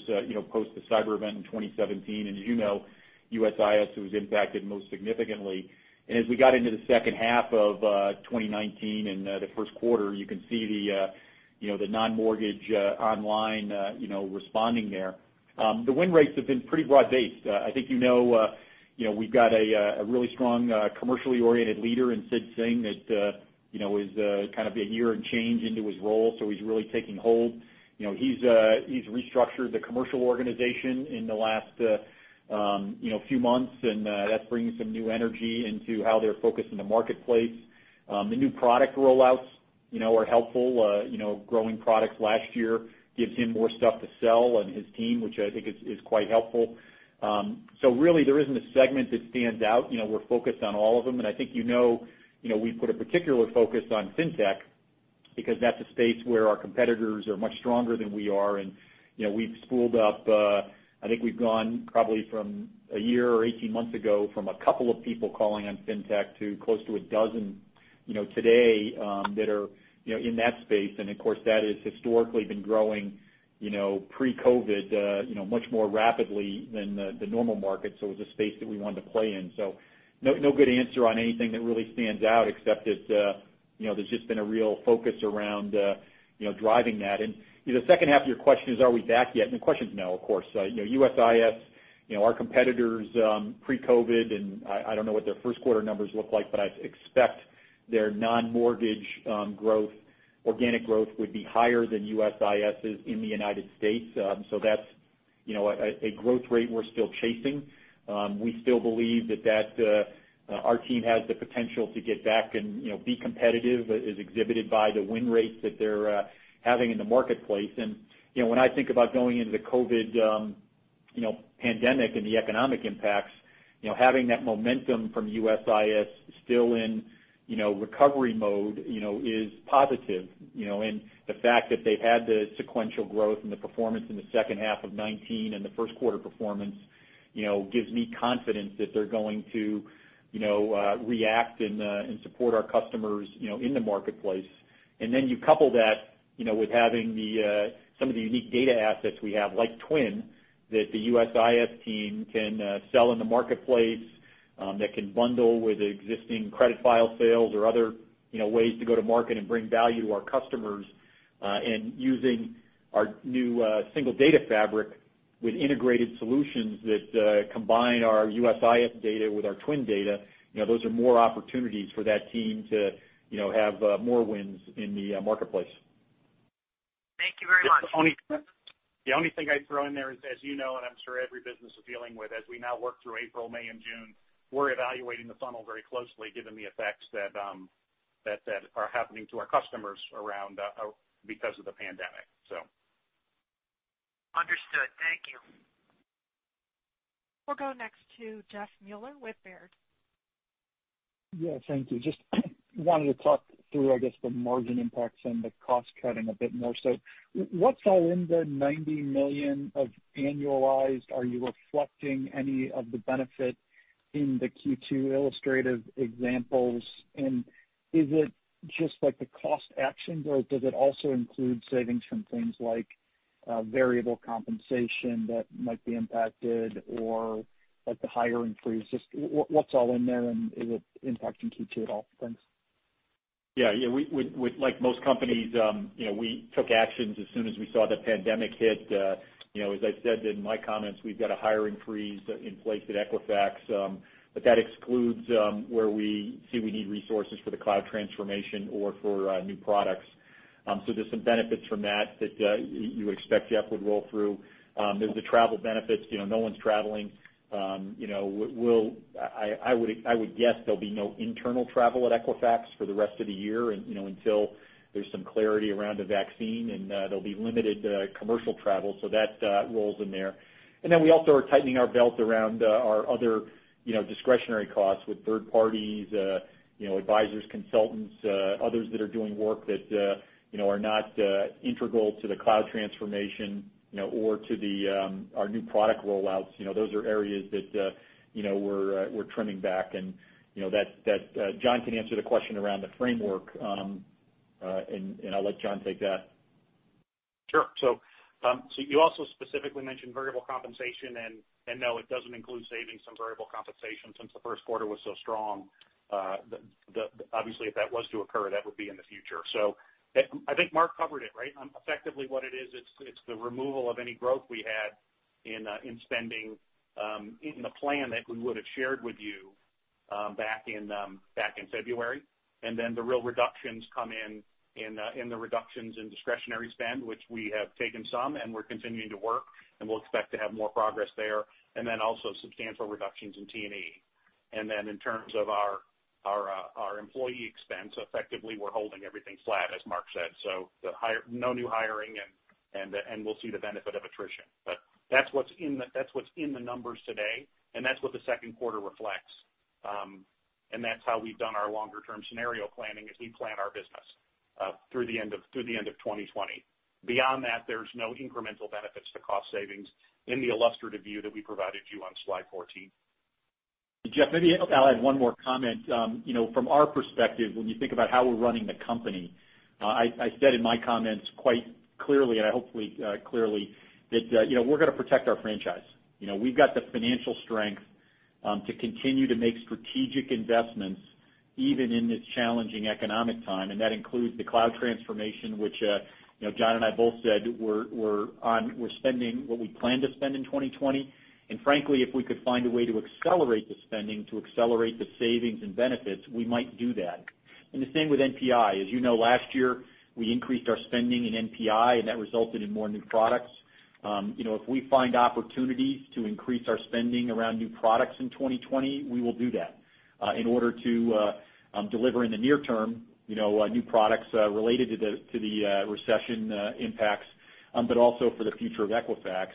post the cyber event in 2017. As you know, USIS was impacted most significantly. As we got into the second half of 2019 and the first quarter, you can see the non-mortgage online responding there. The win rates have been pretty broad-based. I think you know we've got a really strong commercially oriented leader in Sid Singh that is kind of a year and change into his role. He's really taking hold. He's restructured the commercial organization in the last few months, and that's bringing some new energy into how they're focused in the marketplace. The new product rollouts are helpful. Growing products last year gives him more stuff to sell and his team, which I think is quite helpful. There isn't a segment that stands out. We're focused on all of them. I think you know we put a particular focus on fintech because that's a space where our competitors are much stronger than we are. We've spooled up. I think we've gone probably from a year or 18 months ago from a couple of people calling on fintech to close to a dozen today that are in that space. Of course, that has historically been growing pre-COVID much more rapidly than the normal market. It was a space that we wanted to play in. No good answer on anything that really stands out except that there's just been a real focus around driving that. The second half of your question is, are we back yet? The question's no, of course. USIS, our competitors pre-COVID, and I do not know what their first quarter numbers look like, but I expect their non-mortgage organic growth would be higher than USIS's in the United States. That is a growth rate we are still chasing. We still believe that our team has the potential to get back and be competitive as exhibited by the win rates that they are having in the marketplace. When I think about going into the COVID pandemic and the economic impacts, having that momentum from USIS still in recovery mode is positive. The fact that they have had the sequential growth and the performance in the second half of 2019 and the first quarter performance gives me confidence that they are going to react and support our customers in the marketplace. You couple that with having some of the unique data assets we have, like Twin, that the USIS team can sell in the marketplace, that can bundle with existing credit file sales or other ways to go to market and bring value to our customers. Using our new single data fabric with integrated solutions that combine our USIS data with our Twin data, those are more opportunities for that team to have more wins in the marketplace. Thank you very much. The only thing I'd throw in there is, as you know, and I'm sure every business is dealing with, as we now work through April, May, and June, we're evaluating the funnel very closely given the effects that are happening to our customers because of the pandemic. Understood. Thank you. We'll go next to Jeff Meuler with Baird. Yeah. Thank you. Just wanted to talk through, I guess, the margin impacts and the cost cutting a bit more. So what's all in the $90 million of annualized? Are you reflecting any of the benefit in the Q2 illustrative examples? And is it just the cost actions, or does it also include savings from things like variable compensation that might be impacted or the hiring freeze? Just what's all in there, and is it impacting Q2 at all? Thanks. Yeah. Yeah. Like most companies, we took actions as soon as we saw the pandemic hit. As I said in my comments, we've got a hiring freeze in place at Equifax, but that excludes where we see we need resources for the cloud transformation or for new products. There are some benefits from that that you would expect Jeff would roll through. There are the travel benefits. No one's traveling. I would guess there will be no internal travel at Equifax for the rest of the year until there is some clarity around the vaccine, and there will be limited commercial travel. That rolls in there. We also are tightening our belt around our other discretionary costs with third parties, advisors, consultants, others that are doing work that are not integral to the cloud transformation or to our new product rollouts. Those are areas that we're trimming back. John can answer the question around the framework, and I'll let John take that. Sure. You also specifically mentioned variable compensation, and no, it does not include savings from variable compensation since the first quarter was so strong. Obviously, if that was to occur, that would be in the future. I think Mark covered it, right? Effectively, what it is, it is the removal of any growth we had in spending in the plan that we would have shared with you back in February. The real reductions come in the reductions in discretionary spend, which we have taken some, and we are continuing to work, and we will expect to have more progress there. Also, substantial reductions in T&E. In terms of our employee expense, effectively, we are holding everything flat, as Mark said. No new hiring, and we will see the benefit of attrition. That is what is in the numbers today, and that is what the second quarter reflects. That is how we've done our longer-term scenario planning as we plan our business through the end of 2020. Beyond that, there are no incremental benefits to cost savings in the illustrative view that we provided you on slide 14. Jeff, maybe I'll add one more comment. From our perspective, when you think about how we're running the company, I said in my comments quite clearly, and I hopefully clearly, that we're going to protect our franchise. We've got the financial strength to continue to make strategic investments even in this challenging economic time. That includes the cloud transformation, which John and I both said we're spending what we plan to spend in 2020. Frankly, if we could find a way to accelerate the spending to accelerate the savings and benefits, we might do that. The same with NPI. As you know, last year, we increased our spending in NPI, and that resulted in more new products. If we find opportunities to increase our spending around new products in 2020, we will do that in order to deliver in the near term new products related to the recession impacts, but also for the future of Equifax.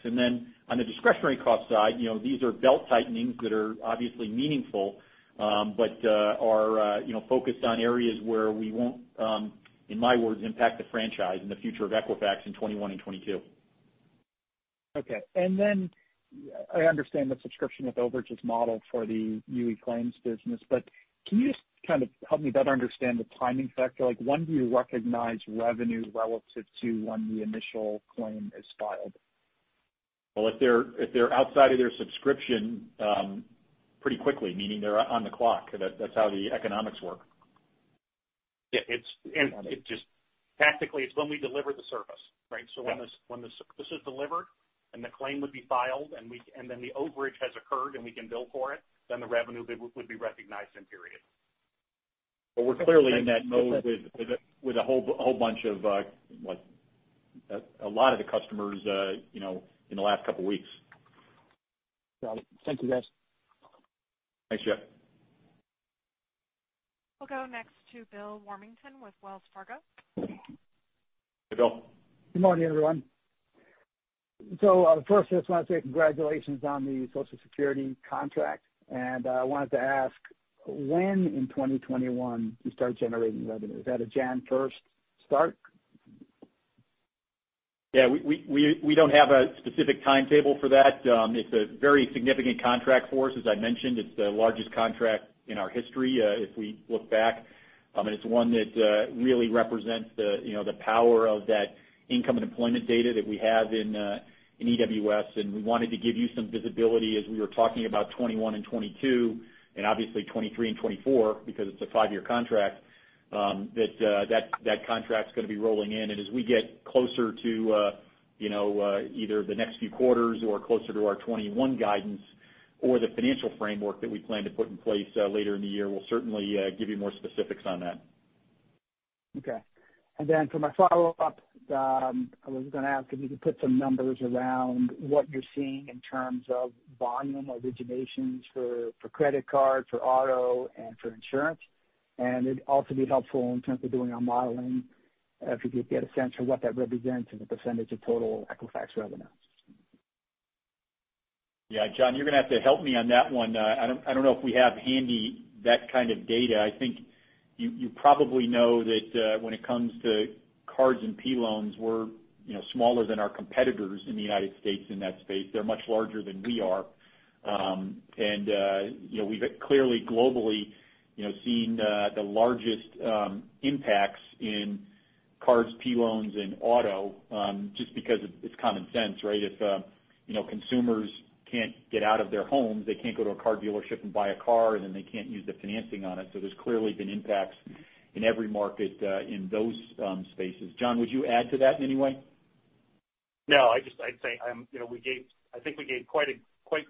On the discretionary cost side, these are belt tightenings that are obviously meaningful but are focused on areas where we will not, in my words, impact the franchise in the future of Equifax in 2021 and 2022. Okay. I understand the subscription with overages model for the UE claims business, but can you just kind of help me better understand the timing factor? When do you recognize revenue relative to when the initial claim is filed? If they're outside of their subscription pretty quickly, meaning they're on the clock. That's how the economics work. Yeah. It is just tactically, it is when we deliver the service, right? When the service is delivered and the claim would be filed and then the overage has occurred and we can bill for it, the revenue would be recognized in period. We're clearly in that mode with a whole bunch of a lot of the customers in the last couple of weeks. Got it. Thank you, guys. Thanks, Jeff. We'll go next to Bill Warmington with Wells Fargo. Hey, Bill. Good morning, everyone. First, I just want to say congratulations on the Social Security contract. I wanted to ask, when in 2021 you started generating revenue? Is that a January 1st start? Yeah. We do not have a specific timetable for that. It is a very significant contract for us. As I mentioned, it is the largest contract in our history if we look back. It is one that really represents the power of that income and employment data that we have in EWS. We wanted to give you some visibility as we were talking about 2021 and 2022, and obviously 2023 and 2024 because it is a five-year contract, that that contract is going to be rolling in. As we get closer to either the next few quarters or closer to our 2021 guidance or the financial framework that we plan to put in place later in the year, we will certainly give you more specifics on that. Okay. For my follow-up, I was going to ask if you could put some numbers around what you're seeing in terms of volume originations for credit card, for auto, and for insurance. It'd also be helpful in terms of doing our modeling if you could get a sense of what that represents and the percentage of total Equifax revenue. Yeah. John, you're going to have to help me on that one. I don't know if we have handy that kind of data. I think you probably know that when it comes to cards and P loans, we're smaller than our competitors in the United States in that space. They're much larger than we are. We've clearly globally seen the largest impacts in cards, P loans, and auto just because of its common sense, right? If consumers can't get out of their homes, they can't go to a car dealership and buy a car, and then they can't use the financing on it. There's clearly been impacts in every market in those spaces. John, would you add to that in any way? No. I'd say we gave, I think we gave quite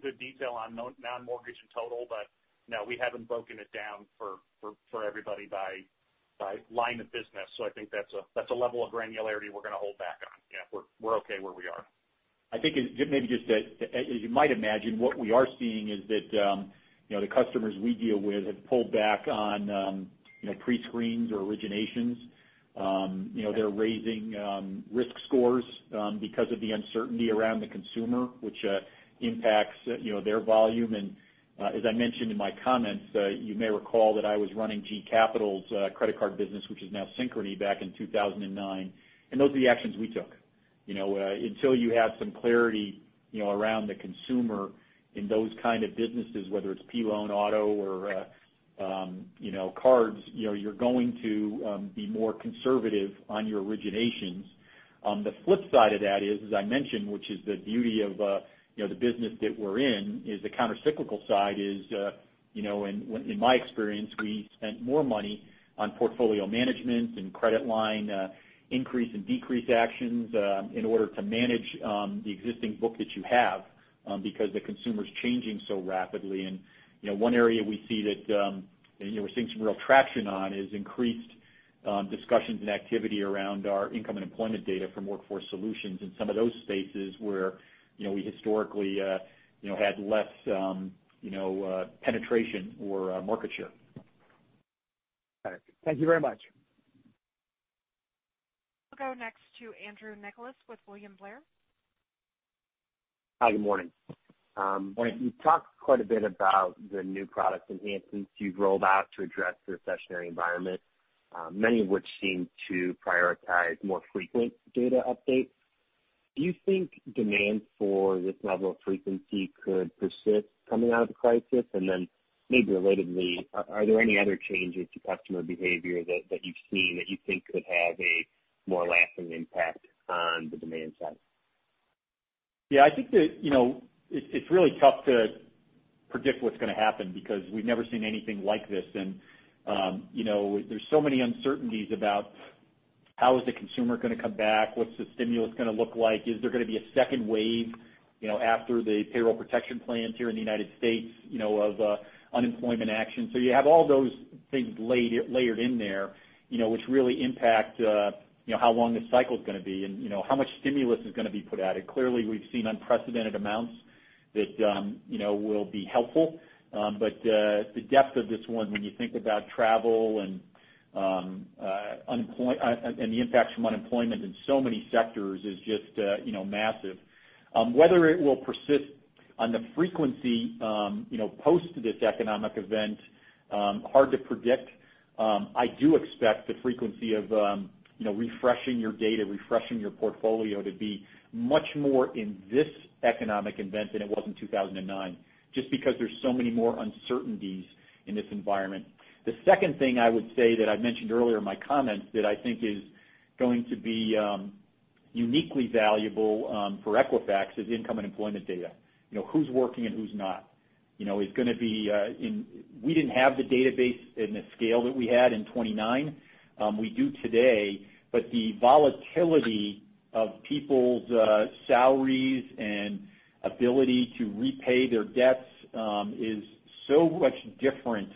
good detail on non-mortgage and total, but no, we haven't broken it down for everybody by line of business. I think that's a level of granularity we're going to hold back on. Yeah. We're okay where we are. I think maybe just as you might imagine, what we are seeing is that the customers we deal with have pulled back on pre-screens or originations. They are raising risk scores because of the uncertainty around the consumer, which impacts their volume. As I mentioned in my comments, you may recall that I was running GE Capital's credit card business, which is now Synchrony, back in 2009. Those are the actions we took. Until you have some clarity around the consumer in those kinds of businesses, whether it is P loan, auto, or cards, you are going to be more conservative on your originations. The flip side of that is, as I mentioned, which is the beauty of the business that we're in, is the countercyclical side is, in my experience, we spent more money on portfolio management and credit line increase and decrease actions in order to manage the existing book that you have because the consumer's changing so rapidly. One area we see that we're seeing some real traction on is increased discussions and activity around our income and employment data from Workforce Solutions in some of those spaces where we historically had less penetration or market share. Got it. Thank you very much. We'll go next to Andrew Nicholas with William Blair. Hi. Good morning. You talked quite a bit about the new products and enhancements you've rolled out to address the recessionary environment, many of which seem to prioritize more frequent data updates. Do you think demand for this level of frequency could persist coming out of the crisis? Maybe relatedly, are there any other changes to customer behavior that you've seen that you think could have a more lasting impact on the demand side? Yeah. I think that it's really tough to predict what's going to happen because we've never seen anything like this. There are so many uncertainties about how is the consumer going to come back? What's the stimulus going to look like? Is there going to be a second wave after the payroll protection plans here in the United States of unemployment action? You have all those things layered in there, which really impact how long the cycle is going to be and how much stimulus is going to be put at it. Clearly, we've seen unprecedented amounts that will be helpful. The depth of this one, when you think about travel and the impacts from unemployment in so many sectors, is just massive. Whether it will persist on the frequency post this economic event, hard to predict. I do expect the frequency of refreshing your data, refreshing your portfolio to be much more in this economic event than it was in 2009 just because there's so many more uncertainties in this environment. The second thing I would say that I mentioned earlier in my comments that I think is going to be uniquely valuable for Equifax is income and employment data. Who's working and who's not? It's going to be in we didn't have the database in the scale that we had in 2009. We do today, but the volatility of people's salaries and ability to repay their debts is so much different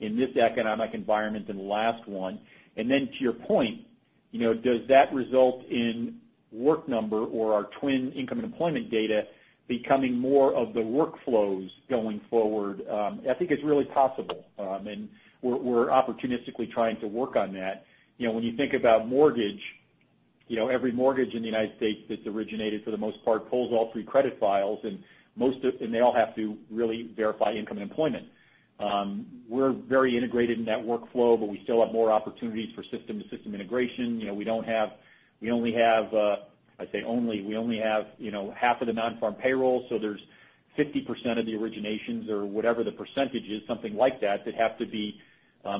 in this economic environment than the last one. To your point, does that result in Work Number or our Twin income and employment data becoming more of the workflows going forward? I think it's really possible, and we're opportunistically trying to work on that. When you think about mortgage, every mortgage in the United States that's originated for the most part pulls all three credit files, and they all have to really verify income and employment. We're very integrated in that workflow, but we still have more opportunities for system-to-system integration. We only have, I say only, we only have half of the non-farm payroll, so there's 50% of the originations or whatever the percentage is, something like that, that have to be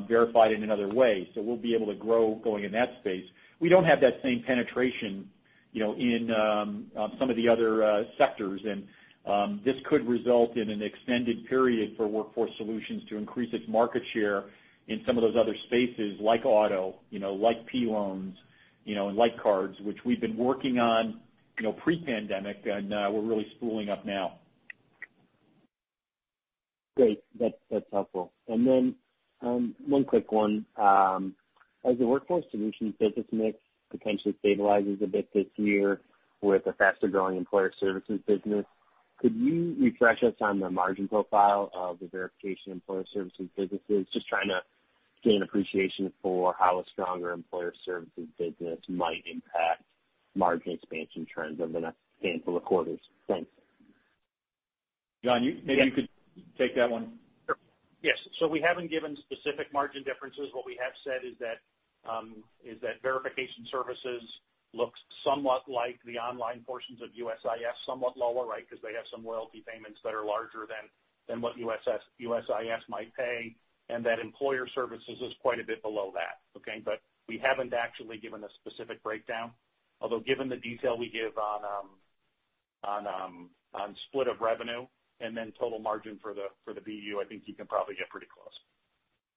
verified in another way. We'll be able to grow going in that space. We don't have that same penetration in some of the other sectors. This could result in an extended period for Workforce Solutions to increase its market share in some of those other spaces like auto, like P loans, and like cards, which we've been working on pre-pandemic, and we're really spooling up now. Great. That's helpful. One quick one. As the Workforce Solutions business mix potentially stabilizes a bit this year with a faster-growing employer services business, could you refresh us on the margin profile of the verification employer services businesses? Just trying to get an appreciation for how a stronger employer services business might impact margin expansion trends over the next handful of quarters. Thanks. John, maybe you could take that one. Yes. We haven't given specific margin differences. What we have said is that Verification Services looks somewhat like the online portions of USIS, somewhat lower, right, because they have some loyalty payments that are larger than what USIS might pay. That employer services is quite a bit below that, okay? We haven't actually given a specific breakdown. Although given the detail we give on split of revenue and then total margin for the BU, I think you can probably get pretty close.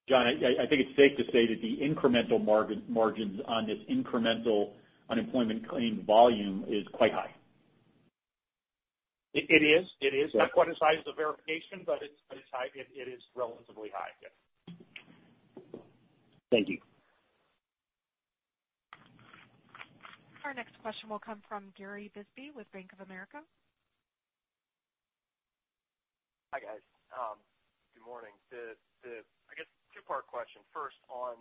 John, I think it's safe to say that the incremental margins on this incremental unemployment claim volume is quite high. It is. Not quite as high as the verification, but it's relatively high, yes. Thank you. Our next question will come from Gary Bisbee with Bank of America. Hi, guys. Good morning. I guess two-part question. First, on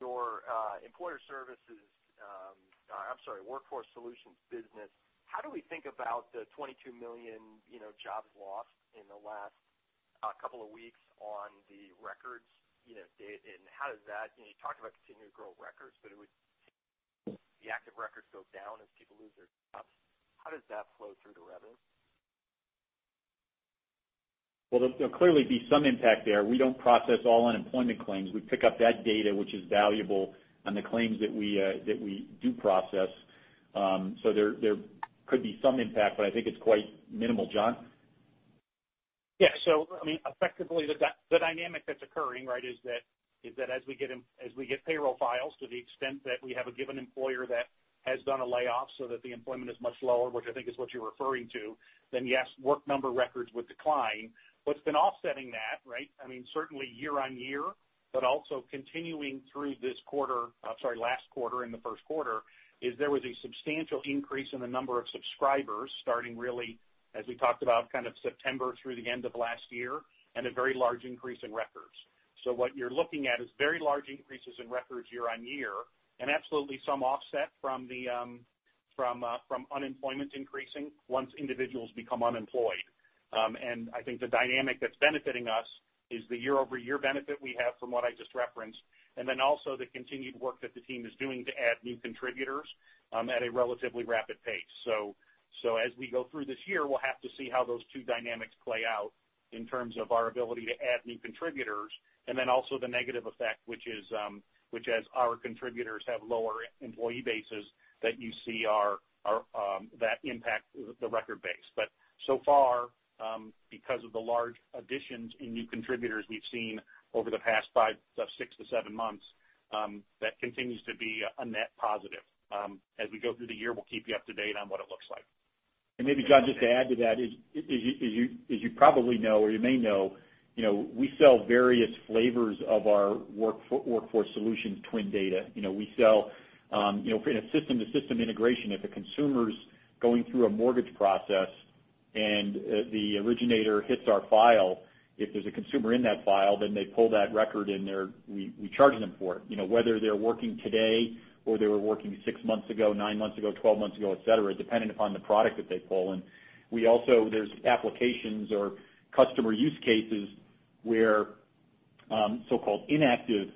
your employer services—I’m sorry, Workforce Solutions business—how do we think about the 22 million jobs lost in the last couple of weeks on the records? And how does that—you talked about continuing to grow records, but it would seem the active records go down as people lose their jobs. How does that flow through the revenue? There'll clearly be some impact there. We don't process all unemployment claims. We pick up that data, which is valuable on the claims that we do process. So there could be some impact, but I think it's quite minimal, John. Yeah. So I mean, effectively, the dynamic that's occurring, right, is that as we get payroll files, to the extent that we have a given employer that has done a layoff so that the employment is much lower, which I think is what you're referring to, then yes, Work Number records would decline. What's been offsetting that, right? I mean, certainly year on year, but also continuing through this quarter, I'm sorry, last quarter and the first quarter, is there was a substantial increase in the number of subscribers starting really, as we talked about, kind of September through the end of last year and a very large increase in records. So what you're looking at is very large increases in records year on year and absolutely some offset from unemployment increasing once individuals become unemployed. I think the dynamic that's benefiting us is the year-over-year benefit we have from what I just referenced, and then also the continued work that the team is doing to add new contributors at a relatively rapid pace. As we go through this year, we'll have to see how those two dynamics play out in terms of our ability to add new contributors and then also the negative effect, which is, as our contributors have lower employee bases, that you see that impact the record base. However, so far, because of the large additions in new contributors we've seen over the past five to six to seven months, that continues to be a net positive. As we go through the year, we'll keep you up to date on what it looks like. Maybe, John, just to add to that, as you probably know or you may know, we sell various flavors of our Workforce Solutions twin data. We sell in a system-to-system integration, if a consumer is going through a mortgage process and the originator hits our file, if there is a consumer in that file, then they pull that record in there. We charge them for it, whether they are working today or they were working six months ago, nine months ago, 12 months ago, etc., depending upon the product that they pull. There are applications or customer use cases where so-called inactive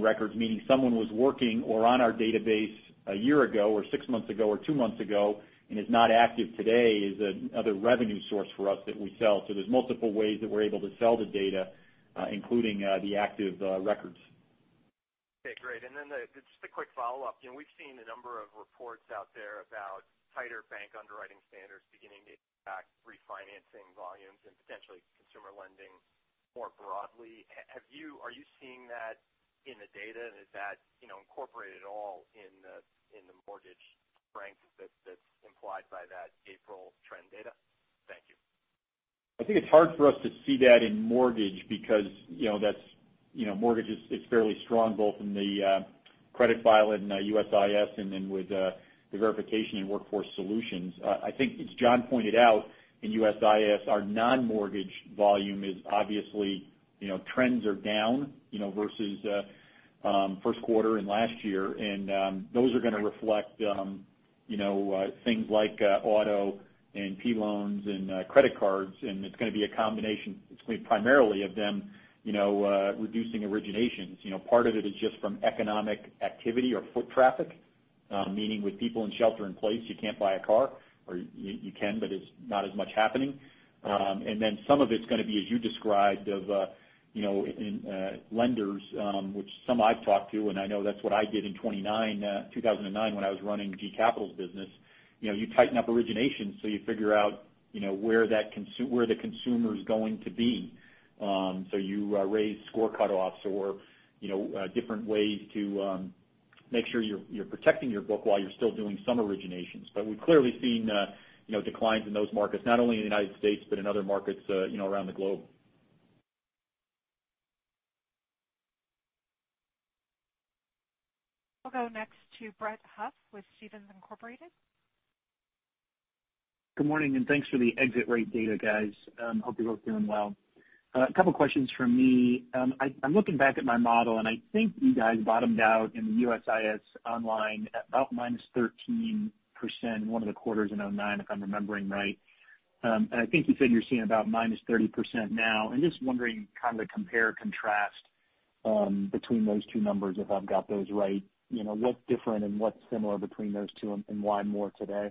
records, meaning someone was working or on our database a year ago or six months ago or two months ago and is not active today, is another revenue source for us that we sell. There are multiple ways that we are able to sell the data, including the active records. Okay. Great. Then just a quick follow-up. We've seen a number of reports out there about tighter bank underwriting standards beginning to impact refinancing volumes and potentially consumer lending more broadly. Are you seeing that in the data, and is that incorporated at all in the mortgage strength that's implied by that April trend data? Thank you. I think it's hard for us to see that in mortgage because mortgage is fairly strong both in the credit file in USIS and then with the verification in Workforce Solutions. I think, as John pointed out, in USIS, our non-mortgage volume is obviously trends are down versus first quarter and last year. Those are going to reflect things like auto and P loans and credit cards. It's going to be a combination—it's going to be primarily of them reducing originations. Part of it is just from economic activity or foot traffic, meaning with people in shelter in place, you can't buy a car, or you can, but it's not as much happening. Some of it's going to be, as you described, of lenders, which some I've talked to, and I know that's what I did in 2009 when I was running GE Capital's business. You tighten up originations so you figure out where the consumer's going to be. You raise score cutoffs or different ways to make sure you're protecting your book while you're still doing some originations. We've clearly seen declines in those markets, not only in the United States but in other markets around the globe. We'll go next to Brett Huff with Stephens Inc. Good morning, and thanks for the exit rate data, guys. Hope you're both doing well. A couple of questions from me. I'm looking back at my model, and I think you guys bottomed out in the USIS online at about -13% in one of the quarters in 2009, if I'm remembering right. I think you said you're seeing about -30% now. Just wondering kind of to compare and contrast between those two numbers, if I've got those right, what's different and what's similar between those two and why more today?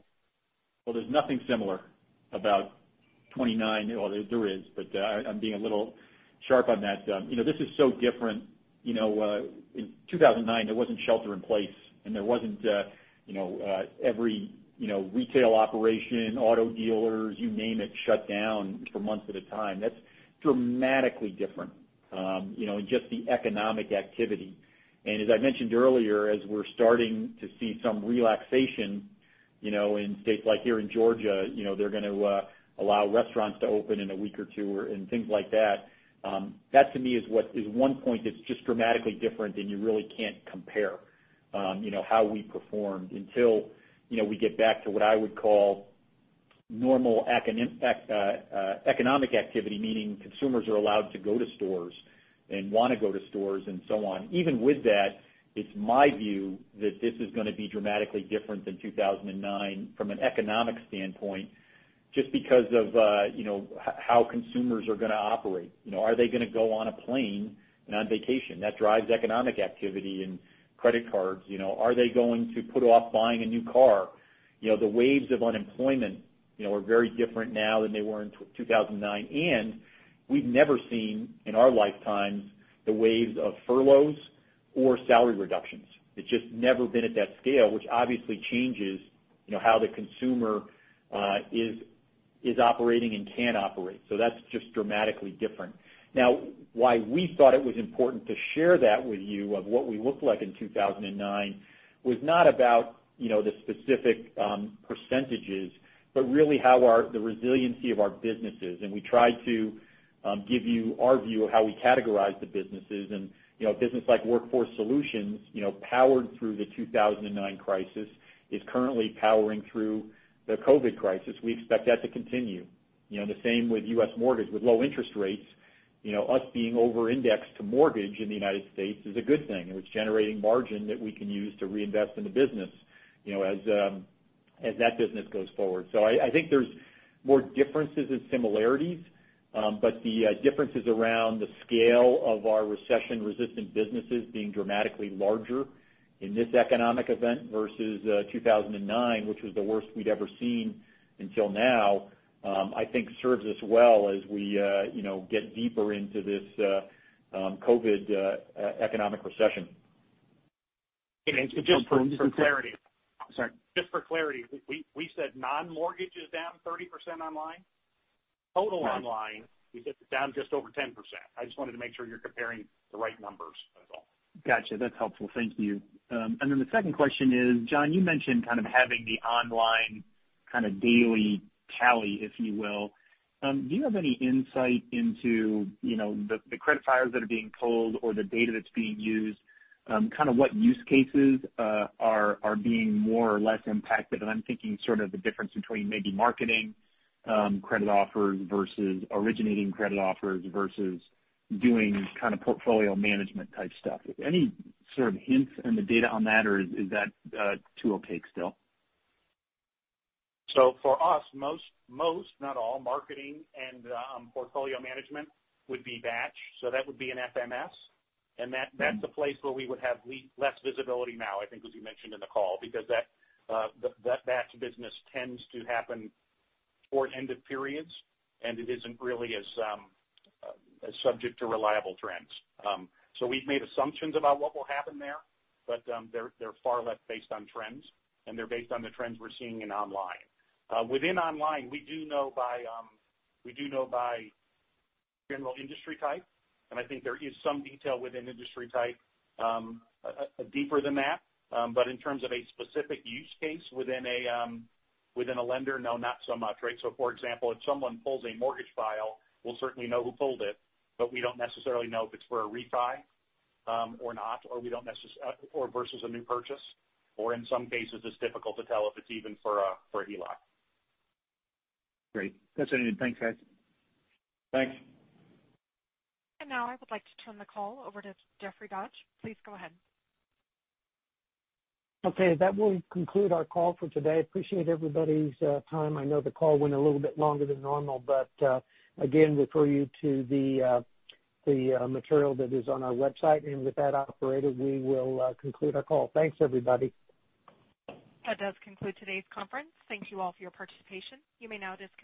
There is nothing similar about 2009. Well, there is, but I'm being a little sharp on that. This is so different. In 2009, there was not shelter in place, and there was not every retail operation, auto dealers, you name it, shut down for months at a time. That is dramatically different in just the economic activity. As I mentioned earlier, as we are starting to see some relaxation in states like here in Georgia, they are going to allow restaurants to open in a week or two and things like that. That, to me, is one point that is just dramatically different, and you really cannot compare how we performed until we get back to what I would call normal economic activity, meaning consumers are allowed to go to stores and want to go to stores and so on. Even with that, it's my view that this is going to be dramatically different than 2009 from an economic standpoint just because of how consumers are going to operate. Are they going to go on a plane and on vacation? That drives economic activity and credit cards. Are they going to put off buying a new car? The waves of unemployment are very different now than they were in 2009. We've never seen in our lifetimes the waves of furloughs or salary reductions. It's just never been at that scale, which obviously changes how the consumer is operating and can operate. That's just dramatically different. Now, why we thought it was important to share that with you of what we looked like in 2009 was not about the specific percentages, but really how the resiliency of our business is. We tried to give you our view of how we categorize the businesses. A business like Workforce Solutions, powered through the 2009 crisis, is currently powering through the COVID crisis. We expect that to continue. The same with U.S. mortgage. With low interest rates, us being over-indexed to mortgage in the United States is a good thing. It was generating margin that we can use to reinvest in the business as that business goes forward. I think there are more differences than similarities, but the differences around the scale of our recession-resistant businesses being dramatically larger in this economic event versus 2009, which was the worst we had ever seen until now, I think serves us well as we get deeper into this COVID economic recession. Just for clarity, sorry. Just for clarity, we said non-mortgage is down 30% online? Total online, we said it's down just over 10%. I just wanted to make sure you're comparing the right numbers, that's all. Gotcha. That's helpful. Thank you. Then the second question is, John, you mentioned kind of having the online kind of daily tally, if you will. Do you have any insight into the credit files that are being pulled or the data that's being used, kind of what use cases are being more or less impacted? I'm thinking sort of the difference between maybe marketing credit offers versus originating credit offers versus doing kind of portfolio management type stuff. Any sort of hints in the data on that, or is that too opaque still? For us, most, not all, marketing and portfolio management would be batch. That would be an FMS. That is a place where we would have less visibility now, I think, as you mentioned in the call, because that batch business tends to happen for ended periods, and it is not really as subject to reliable trends. We have made assumptions about what will happen there, but they are far less based on trends, and they are based on the trends we are seeing in online. Within online, we do know by general industry type. I think there is some detail within industry type, deeper than that. In terms of a specific use case within a lender, no, not so much, right? For example, if someone pulls a mortgage file, we'll certainly know who pulled it, but we don't necessarily know if it's for a refi or not, or we don't necessarily or versus a new purchase. Or in some cases, it's difficult to tell if it's even for a heloc. Great. That's it. Thanks, guys. Thanks. I would like to turn the call over to Jeffrey Dodge. Please go ahead. Okay. That will conclude our call for today. Appreciate everybody's time. I know the call went a little bit longer than normal, but again, refer you to the material that is on our website. With that, operator, we will conclude our call. Thanks, everybody. That does conclude today's conference. Thank you all for your participation. You may now disconnect.